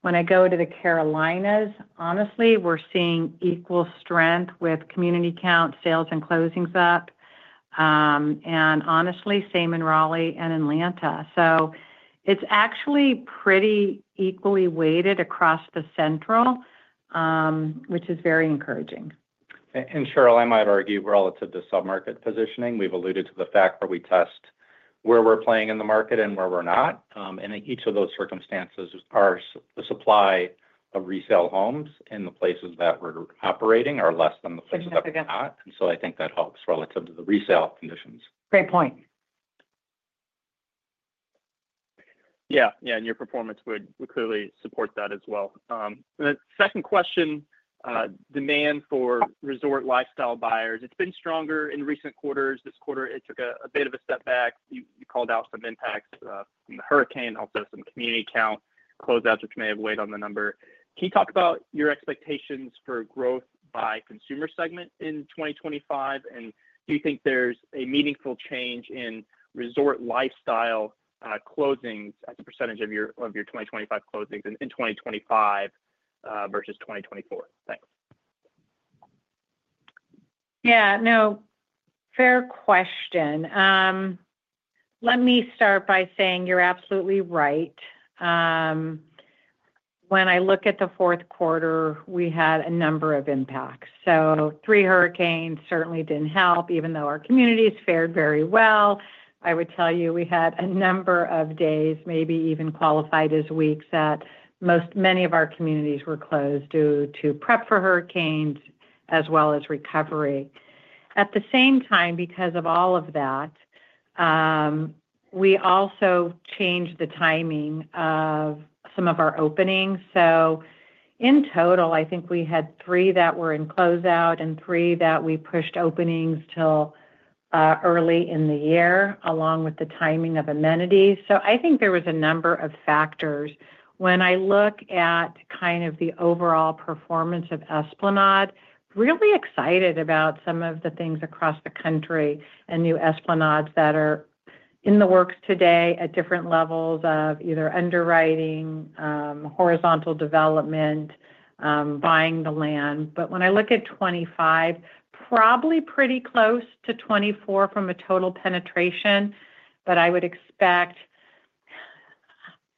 When I go to the Carolinas, honestly, we're seeing equal strength with community count, sales and closings up. And honestly, same in Raleigh and in Atlanta. So it's actually pretty equally weighted across the central, which is very encouraging. Sheryl, I might argue relative to sub-market positioning. We've alluded to the fact where we test where we're playing in the market and where we're not. And in each of those circumstances, the supply of resale homes in the places that we're operating are less than the places that we're not. And so I think that helps relative to the resale conditions. Great point. Yeah. Yeah. And your performance would clearly support that as well. And the second question, demand for Resort Lifestyle buyers, it's been stronger in recent quarters. This quarter, it took a bit of a step back. You called out some impacts from the hurricane, also some community count closeouts, which may have weighed on the number. Can you talk about your expectations for growth by consumer segment in 2025? And do you think there's a meaningful change in Resort Lifestyle closings as a percentage of your 2025 closings in 2025 versus 2024? Thanks. Yeah. No. Fair question. Let me start by saying you're absolutely right. When I look at Q4, we had a number of impacts, so three hurricanes certainly didn't help, even though our communities fared very well. I would tell you we had a number of days, maybe even qualified as weeks, that many of our communities were closed due to prep for hurricanes as well as recovery. At the same time, because of all of that, we also changed the timing of some of our openings, so in total, I think we had three that were in closeout and three that we pushed openings till early in the year, along with the timing of amenities, so I think there was a number of factors. When I look at kind of the overall performance of Esplanade, really excited about some of the things across the country and new Esplanades that are in the works today at different levels of either underwriting, horizontal development, buying the land. But when I look at 2025, probably pretty close to 2024 from a total penetration, but I would expect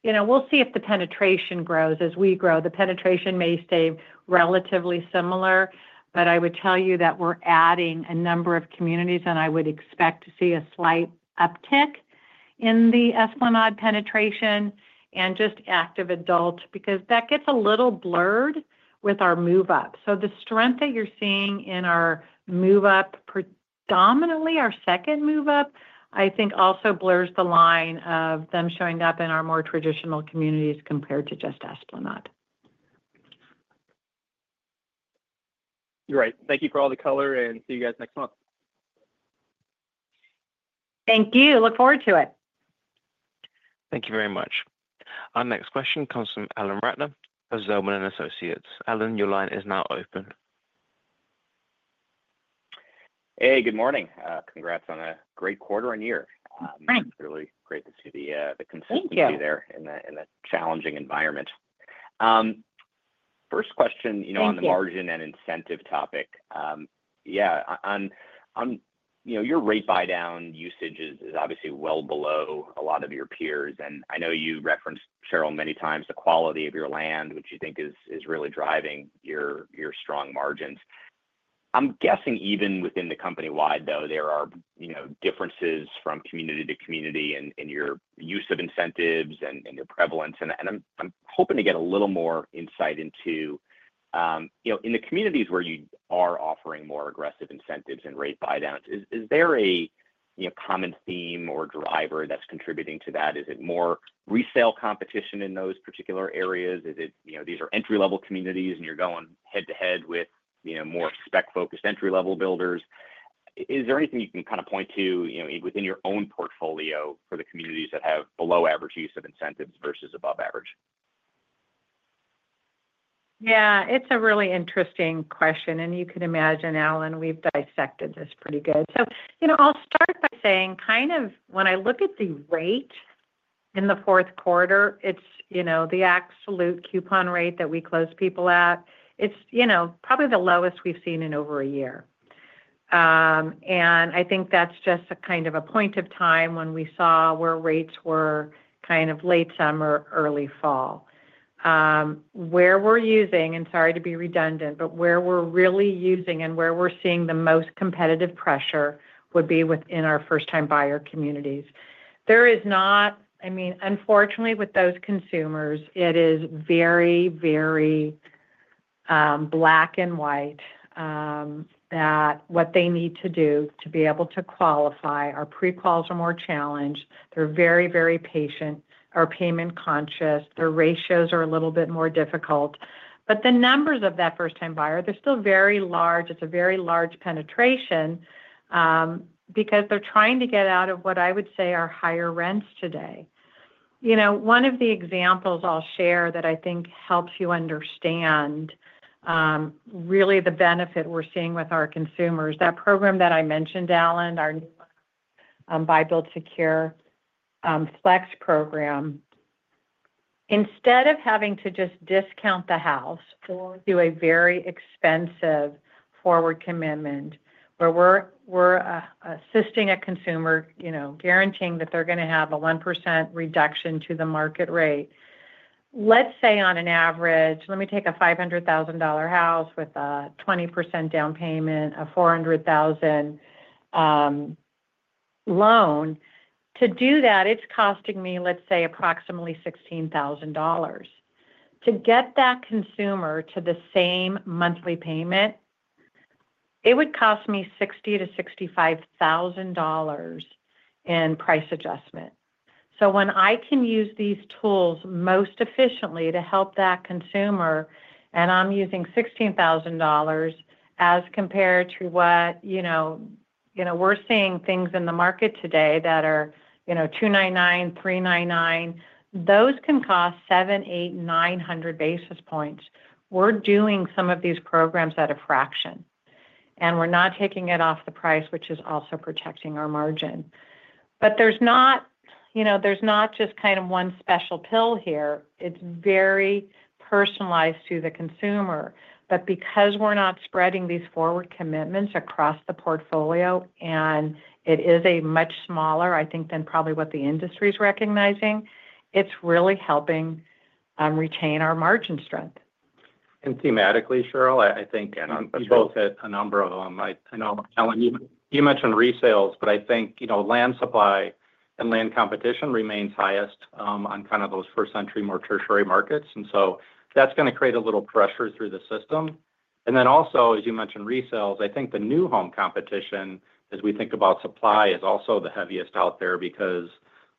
we'll see if the penetration grows as we grow. The penetration may stay relatively similar, but I would tell you that we're adding a number of communities, and I would expect to see a slight uptick in the Esplanade penetration and just active adults because that gets a little blurred with our move-up. So the strength that you're seeing in our move-up, predominantly our second move-up, I think also blurs the line of them showing up in our more traditional communities compared to just Esplanade. Great. Thank you for all the color, and see you guys next month. Thank you. Look forward to it. Thank you very much. Our next question comes from Alan Ratner of Zelman & Associates. Alan, your line is now open. Hey, good morning. Congrats on a great quarter and year. Thanks. Really great to see the consistency there in a challenging environment. First question on the margin and incentive topic. Yeah. Your rate buy-down usage is obviously well below a lot of your peers. I know you referenced, Sheryl, many times the quality of your land, which you think is really driving your strong margins. I'm guessing even within the company-wide, though, there are differences from community to community in your use of incentives and your prevalence. And I'm hoping to get a little more insight into the communities where you are offering more aggressive incentives and rate buy-downs, is there a common theme or driver that's contributing to that? Is it more resale competition in those particular areas? These are entry-level communities, and you're going head-to-head with more spec-focused entry-level builders. Is there anything you can kind of point to within your own portfolio for the communities that have below-average use of incentives versus above-average? Yeah. It's a really interesting question. You can imagine, Alan, we've dissected this pretty good. So I'll start by saying kind of when I look at the rate in Q4, it's the absolute coupon rate that we close people at. It's probably the lowest we've seen in over a year. I think that's just a kind of a point of time when we saw where rates were kind of late summer, early fall. Where we're using, and sorry to be redundant, but where we're really using and where we're seeing the most competitive pressure would be within our first-time buyer communities. I mean, unfortunately, with those consumers, it is very, very black and white that what they need to do to be able to qualify. Our pre-quals are more challenged. They're very, very patient. Our payment-conscious. Their ratios are a little bit more difficult. But the numbers of that first-time buyer, they're still very large. It's a very large penetration because they're trying to get out of what I would say are higher rents today. One of the examples I'll share that I think helps you understand really the benefit we're seeing with our consumers, that program that I mentioned, Alan, our Buy Build Secure Flex program. Instead of having to just discount the house or do a very expensive forward commitment where we're assisting a consumer, guaranteeing that they're going to have a 1% reduction to the market rate, let's say on an average, let me take a $500,000 house with a 20% down payment, a $400,000 loan. To do that, it's costing me, let's say, approximately $16,000. To get that consumer to the same monthly payment, it would cost me $60,000 to $65,000 in price adjustment. When I can use these tools most efficiently to help that consumer, and I'm using $16,000 as compared to what we're seeing things in the market today that are 299, 399, those can cost 700, 800, 900 basis points. We're doing some of these programs at a fraction, and we're not taking it off the price, which is also protecting our margin. There's not just kind of one special pill here. It's very personalized to the consumer. Because we're not spreading these forward commitments across the portfolio, and it is much smaller, I think, than probably what the industry is recognizing, it's really helping retain our margin strength. Thematically, Sheryl, I think you both hit a number of them. I know you mentioned resales, but I think land supply and land competition remains highest on kind of those first-entry, more tertiary markets. So that's going to create a little pressure through the system. Then also, as you mentioned, resales, I think the new home competition, as we think about supply, is also the heaviest out there because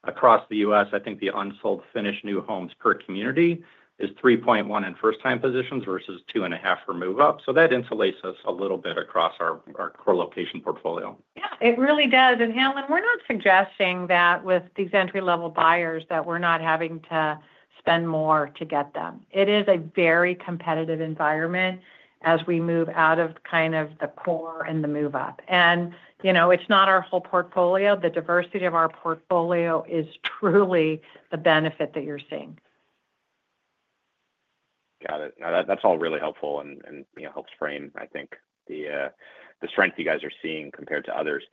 across the U.S. I think the unsold finished new homes per community is 3.1 in first-time positions versus 2.5 for move-up. So that insulates us a little bit across our core location portfolio. Yeah. It really does. And, Alan, we're not suggesting that with these entry-level buyers that we're not having to spend more to get them. It is a very competitive environment as we move out of kind of the core and the move-up. It's not our whole portfolio. The diversity of our portfolio is truly the benefit that you're seeing. Got it. No, that's all really helpful and helps frame, I think, the strength you guys are seeing compared to others.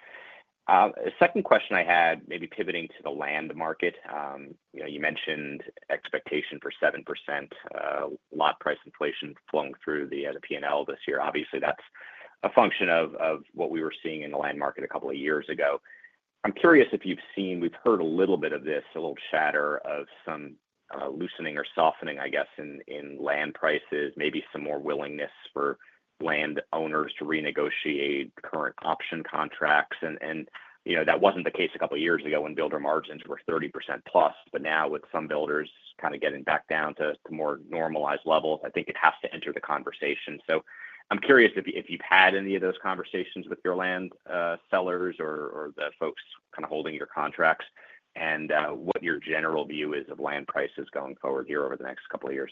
Second question I had, maybe pivoting to the land market, you mentioned expectation for 7% lot price inflation flowing through the P&L this year. Obviously, that's a function of what we were seeing in the land market a couple of years ago. I'm curious if you've seen. We've heard a little bit of this, a little chatter of some loosening or softening, I guess, in land prices, maybe some more willingness for landowners to renegotiate current option contracts. That wasn't the case a couple of years ago when builder margins were 30% plus, but now with some builders kind of getting back down to more normalized levels, I think it has to enter the conversation. So I'm curious if you've had any of those conversations with your land sellers or the folks kind of holding your contracts and what your general view is of land prices going forward here over the next couple of years?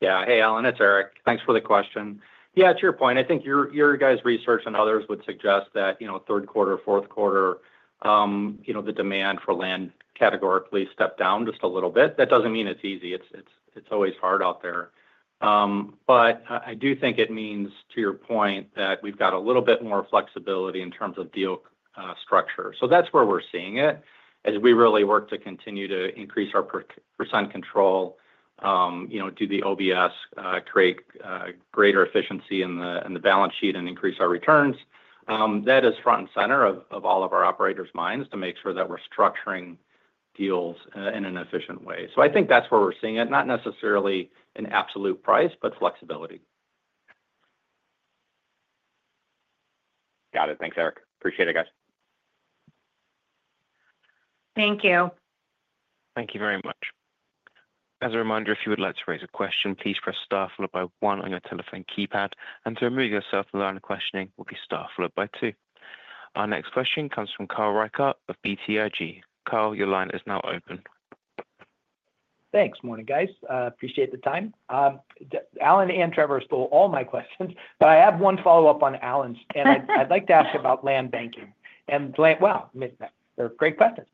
Yeah. Hey, Alan. It's Erik. Thanks for the question. Yeah, to your point, I think your guys' research and others would suggest that Q3, Q4, the demand for land categorically stepped down just a little bit. That doesn't mean it's easy. It's always hard out there. I do think it means, to your point, that we've got a little bit more flexibility in terms of deal structure. So that's where we're seeing it as we really work to continue to increase our percentage of control lots, do the OBS, create greater efficiency in the balance sheet, and increase our returns. That is front and center of all of our operators' minds to make sure that we're structuring deals in an efficient way. So I think that's where we're seeing it, not necessarily an absolute price, but flexibility. Got it. Thanks, Erik. Appreciate it, guys. Thank you. Thank you very much. As a reminder, if you would like to raise a question, please press star followed by one on your telephone keypad, and to remove yourself from the line of questioning will be star followed by two. Our next question comes from Carl Reichardt of BTIG. Carl, your line is now open. Thanks, morning, guys. Appreciate the time. Alan and Trevor stole all my questions, but I have one follow-up on Alan's. I'd like to ask about land banking. Wow, they're great questions.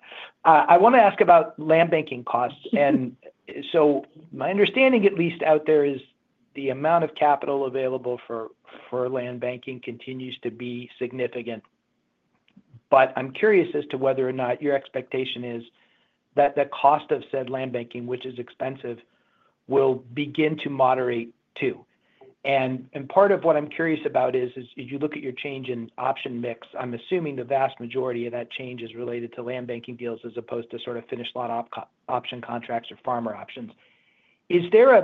I want to ask about land banking costs. My understanding, at least out there, is the amount of capital available for land banking continues to be significant. I'm curious as to whether or not your expectation is that the cost of said land banking, which is expensive, will begin to moderate too. Part of what I'm curious about is, as you look at your change in option mix, I'm assuming the vast majority of that change is related to land banking deals as opposed to sort of finished lot option contracts or farmer options. Is there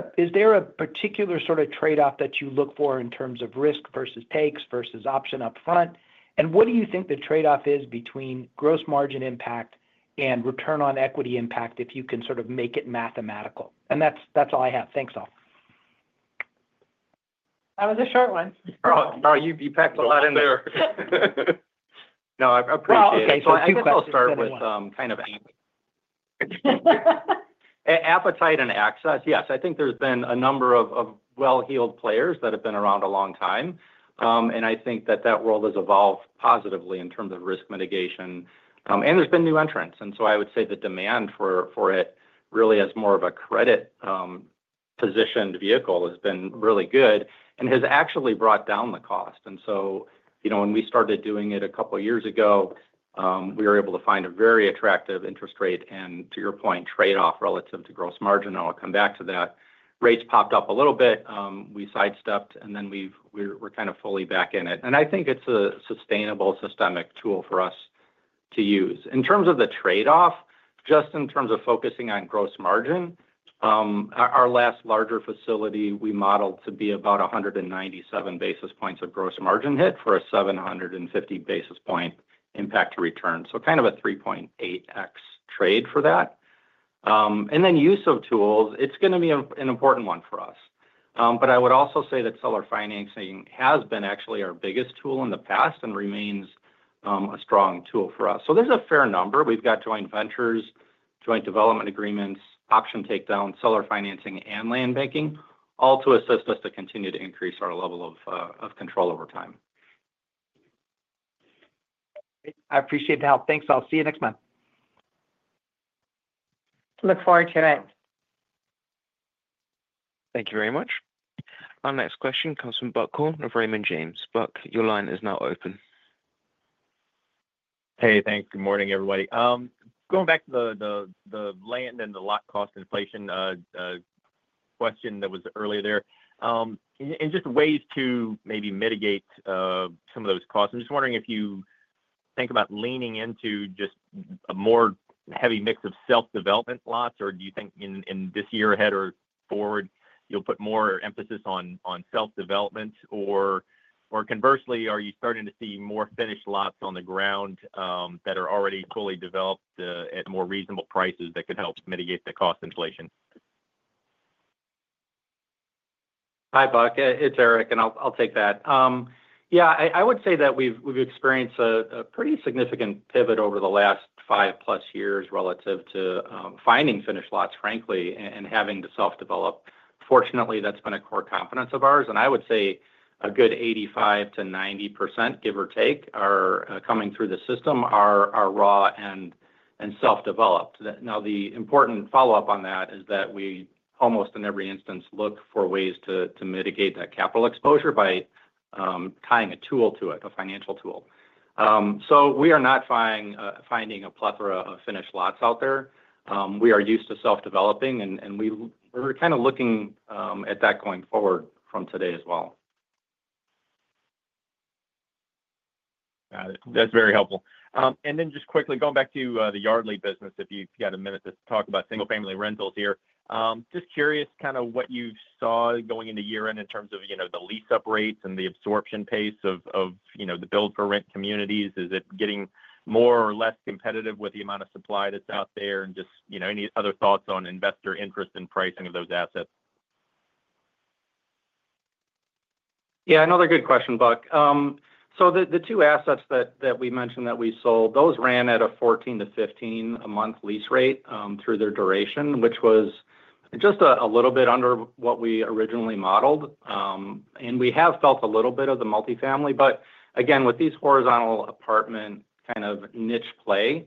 a particular sort of trade-off that you look for in terms of risk versus takes versus option upfront? And what do you think the trade-off is between gross margin impact and return on equity impact if you can sort of make it mathematical? And that's all I have. Thanks, all. That was a short one. Carl, you packed a lot in there. No, I appreciate it. Oh, okay. So I think we'll start with kind of appetite and access. Yes, I think there's been a number of well-heeled players that have been around a long time. And I think that that world has evolved positively in terms of risk mitigation. And there's been new entrants I would say the demand for it really as more of a credit-positioned vehicle has been really good and has actually brought down the cost. So when we started doing it a couple of years ago, we were able to find a very attractive interest rate and, to your point, trade-off relative to gross margin. I'll come back to that. Rates popped up a little bit. We sidestepped, and then we're kind of fully back in it. I think it's a sustainable systemic tool for us to use. In terms of the trade-off, just in terms of focusing on gross margin, our last larger facility we modeled to be about 197 basis points of gross margin hit for a 750 basis point impact to return. So kind of a 3.8x trade for that, and then use of tools is going to be an important one for us. I would also say that seller financing has been actually our biggest tool in the past and remains a strong tool for us, so there's a fair number. We've got joint ventures, joint development agreements, option takedown, seller financing, and land banking, all to assist us to continue to increase our level of control over time. I appreciate the help. Thanks. I'll see you next month. Look forward to it. Thank you very much. Our next question comes from Buck Horne of Raymond James. Buck Horne, your line is now open. Hey, thanks. Good morning, everybody. Going back to the land and the lot cost inflation question that was earlier there, in just ways to maybe mitigate some of those costs, I'm just wondering if you think about leaning into just a more heavy mix of self-development lots, or do you think in this year ahead or forward, you'll put more emphasis on self-development? Conversely, are you starting to see more finished lots on the ground that are already fully developed at more reasonable prices that could help mitigate the cost inflation? Hi, Buck. It's Erik, and I'll take that. Yeah, I would say that we've experienced a pretty significant pivot over the last five-plus years relative to finding finished lots, frankly, and having to self-develop. Fortunately, that's been a core competence of ours, and I would say a good 85% to 90%, give or take, are coming through the system are raw and self-developed. Now, the important follow-up on that is that we almost in every instance look for ways to mitigate that capital exposure by tying a tool to it, a financial tool, so we are not finding a plethora of finished lots out there. We are used to self-developing, and we're kind of looking at that going forward from today as well. Got it. That's very helpful. Then just quickly, going back to the Yardly business, if you've got a minute to talk about single-family rentals here, just curious kind of what you saw going into year-end in terms of the lease-up rates and the absorption pace of the build-to-rent communities. Is it getting more or less competitive with the amount of supply that's out there? And just any other thoughts on investor interest in pricing of those assets? Yeah, another good question, Buck. So the two assets that we mentioned that we sold, those ran at a 14-15 a month lease rate through their duration, which was just a little bit under what we originally modeled. We have felt a little bit of the multifamily. But again, with these horizontal apartment kind of niche play,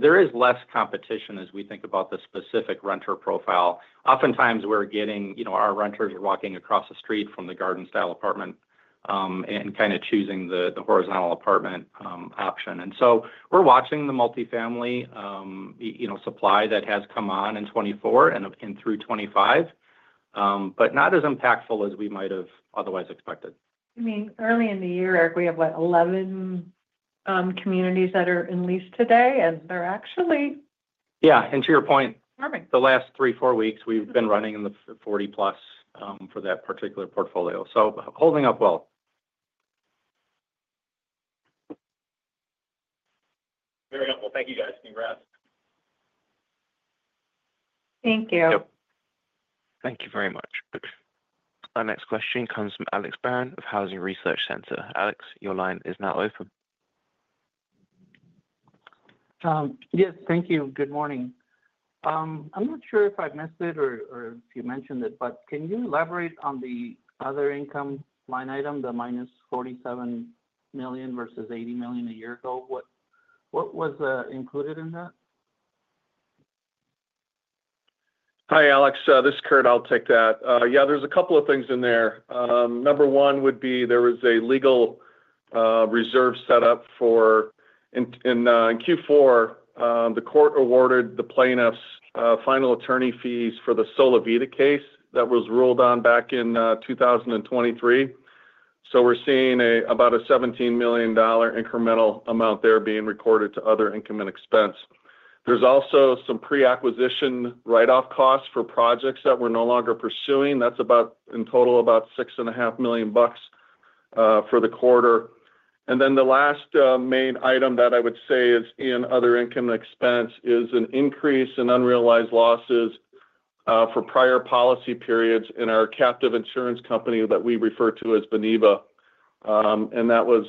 there is less competition as we think about the specific renter profile. Oftentimes, we're getting our renters walking across the street from the garden-style apartment and kind of choosing the horizontal apartment option. So we're watching the multifamily supply that has come on in 2024 and through 2025, but not as impactful as we might have otherwise expected. I mean, early in the year, Erik, we have, what, 11 communities that are in lease today, and they're actually. Yeah. And to your point, the last three, four weeks, we've been running in the 40-plus for that particular portfolio. So holding up well. Very helpful. Thank you, guys. Congrats. Thank you. Thank you very much. Our next question comes from Alex Barron of Housing Research Center. Alex, your line is now open. Yes, thank you. Good morning. I'm not sure if I've missed it or if you mentioned it, but can you elaborate on the other income line item, the minus $47 million versus $80 million a year ago? What was included in that? Hi, Alex. This is Curt. I'll take that. Yeah, there's a couple of things in there. Number one would be there was a legal reserve set up for Q4, the court awarded the plaintiffs final attorney fees for the Solivita case that was ruled on back in 2023. So we're seeing about a $17 million incremental amount there being recorded to other income and expense. There's also some pre-acquisition write-off costs for projects that we're no longer pursuing. That's in total about $6.5 million for the quarter. And then the last main item that I would say is in other income and expense is an increase in unrealized losses for prior policy periods in our captive insurance company that we refer to as Beneva. That was,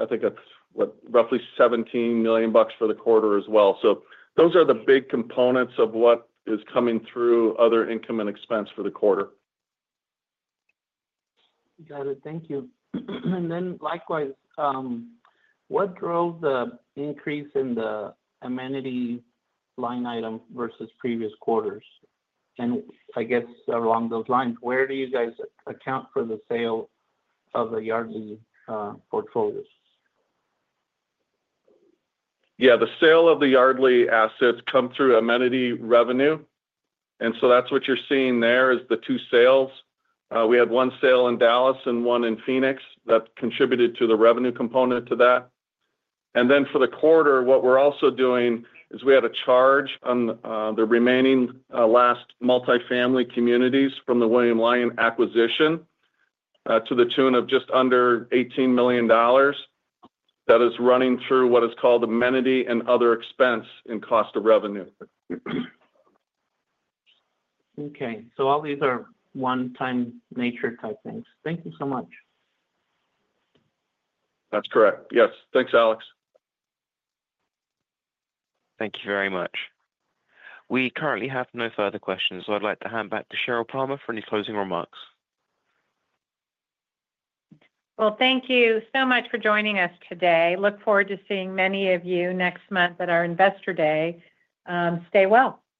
I think, roughly $17 million for the quarter as well. So those are the big components of what is coming through other income and expense for the quarter. Got it. Thank you. And then likewise, what drove the increase in the amenity line item versus previous quarters? And I guess along those lines, where do you guys account for the sale of the Yardly portfolio? Yeah, the sale of the Yardly assets come through amenity revenue. And so that's what you're seeing there is the two sales. We had one sale in Dallas and one in Phoenix that contributed to the revenue component to that. Then for the quarter, what we're also doing is we had a charge on the remaining last multifamily communities from the William Lyon acquisition to the tune of just under $18 million that is running through what is called amenity and other expense in cost of revenue. Okay. So all these are one-time nature type things. Thank you so much. That's correct. Yes. Thanks, Alex. Thank you very much. We currently have no further questions, so I'd like to hand back to Sheryl Palmer for any closing remarks. Thank you so much for joining us today. Look forward to seeing many of you next month at our Investor Day. Stay well.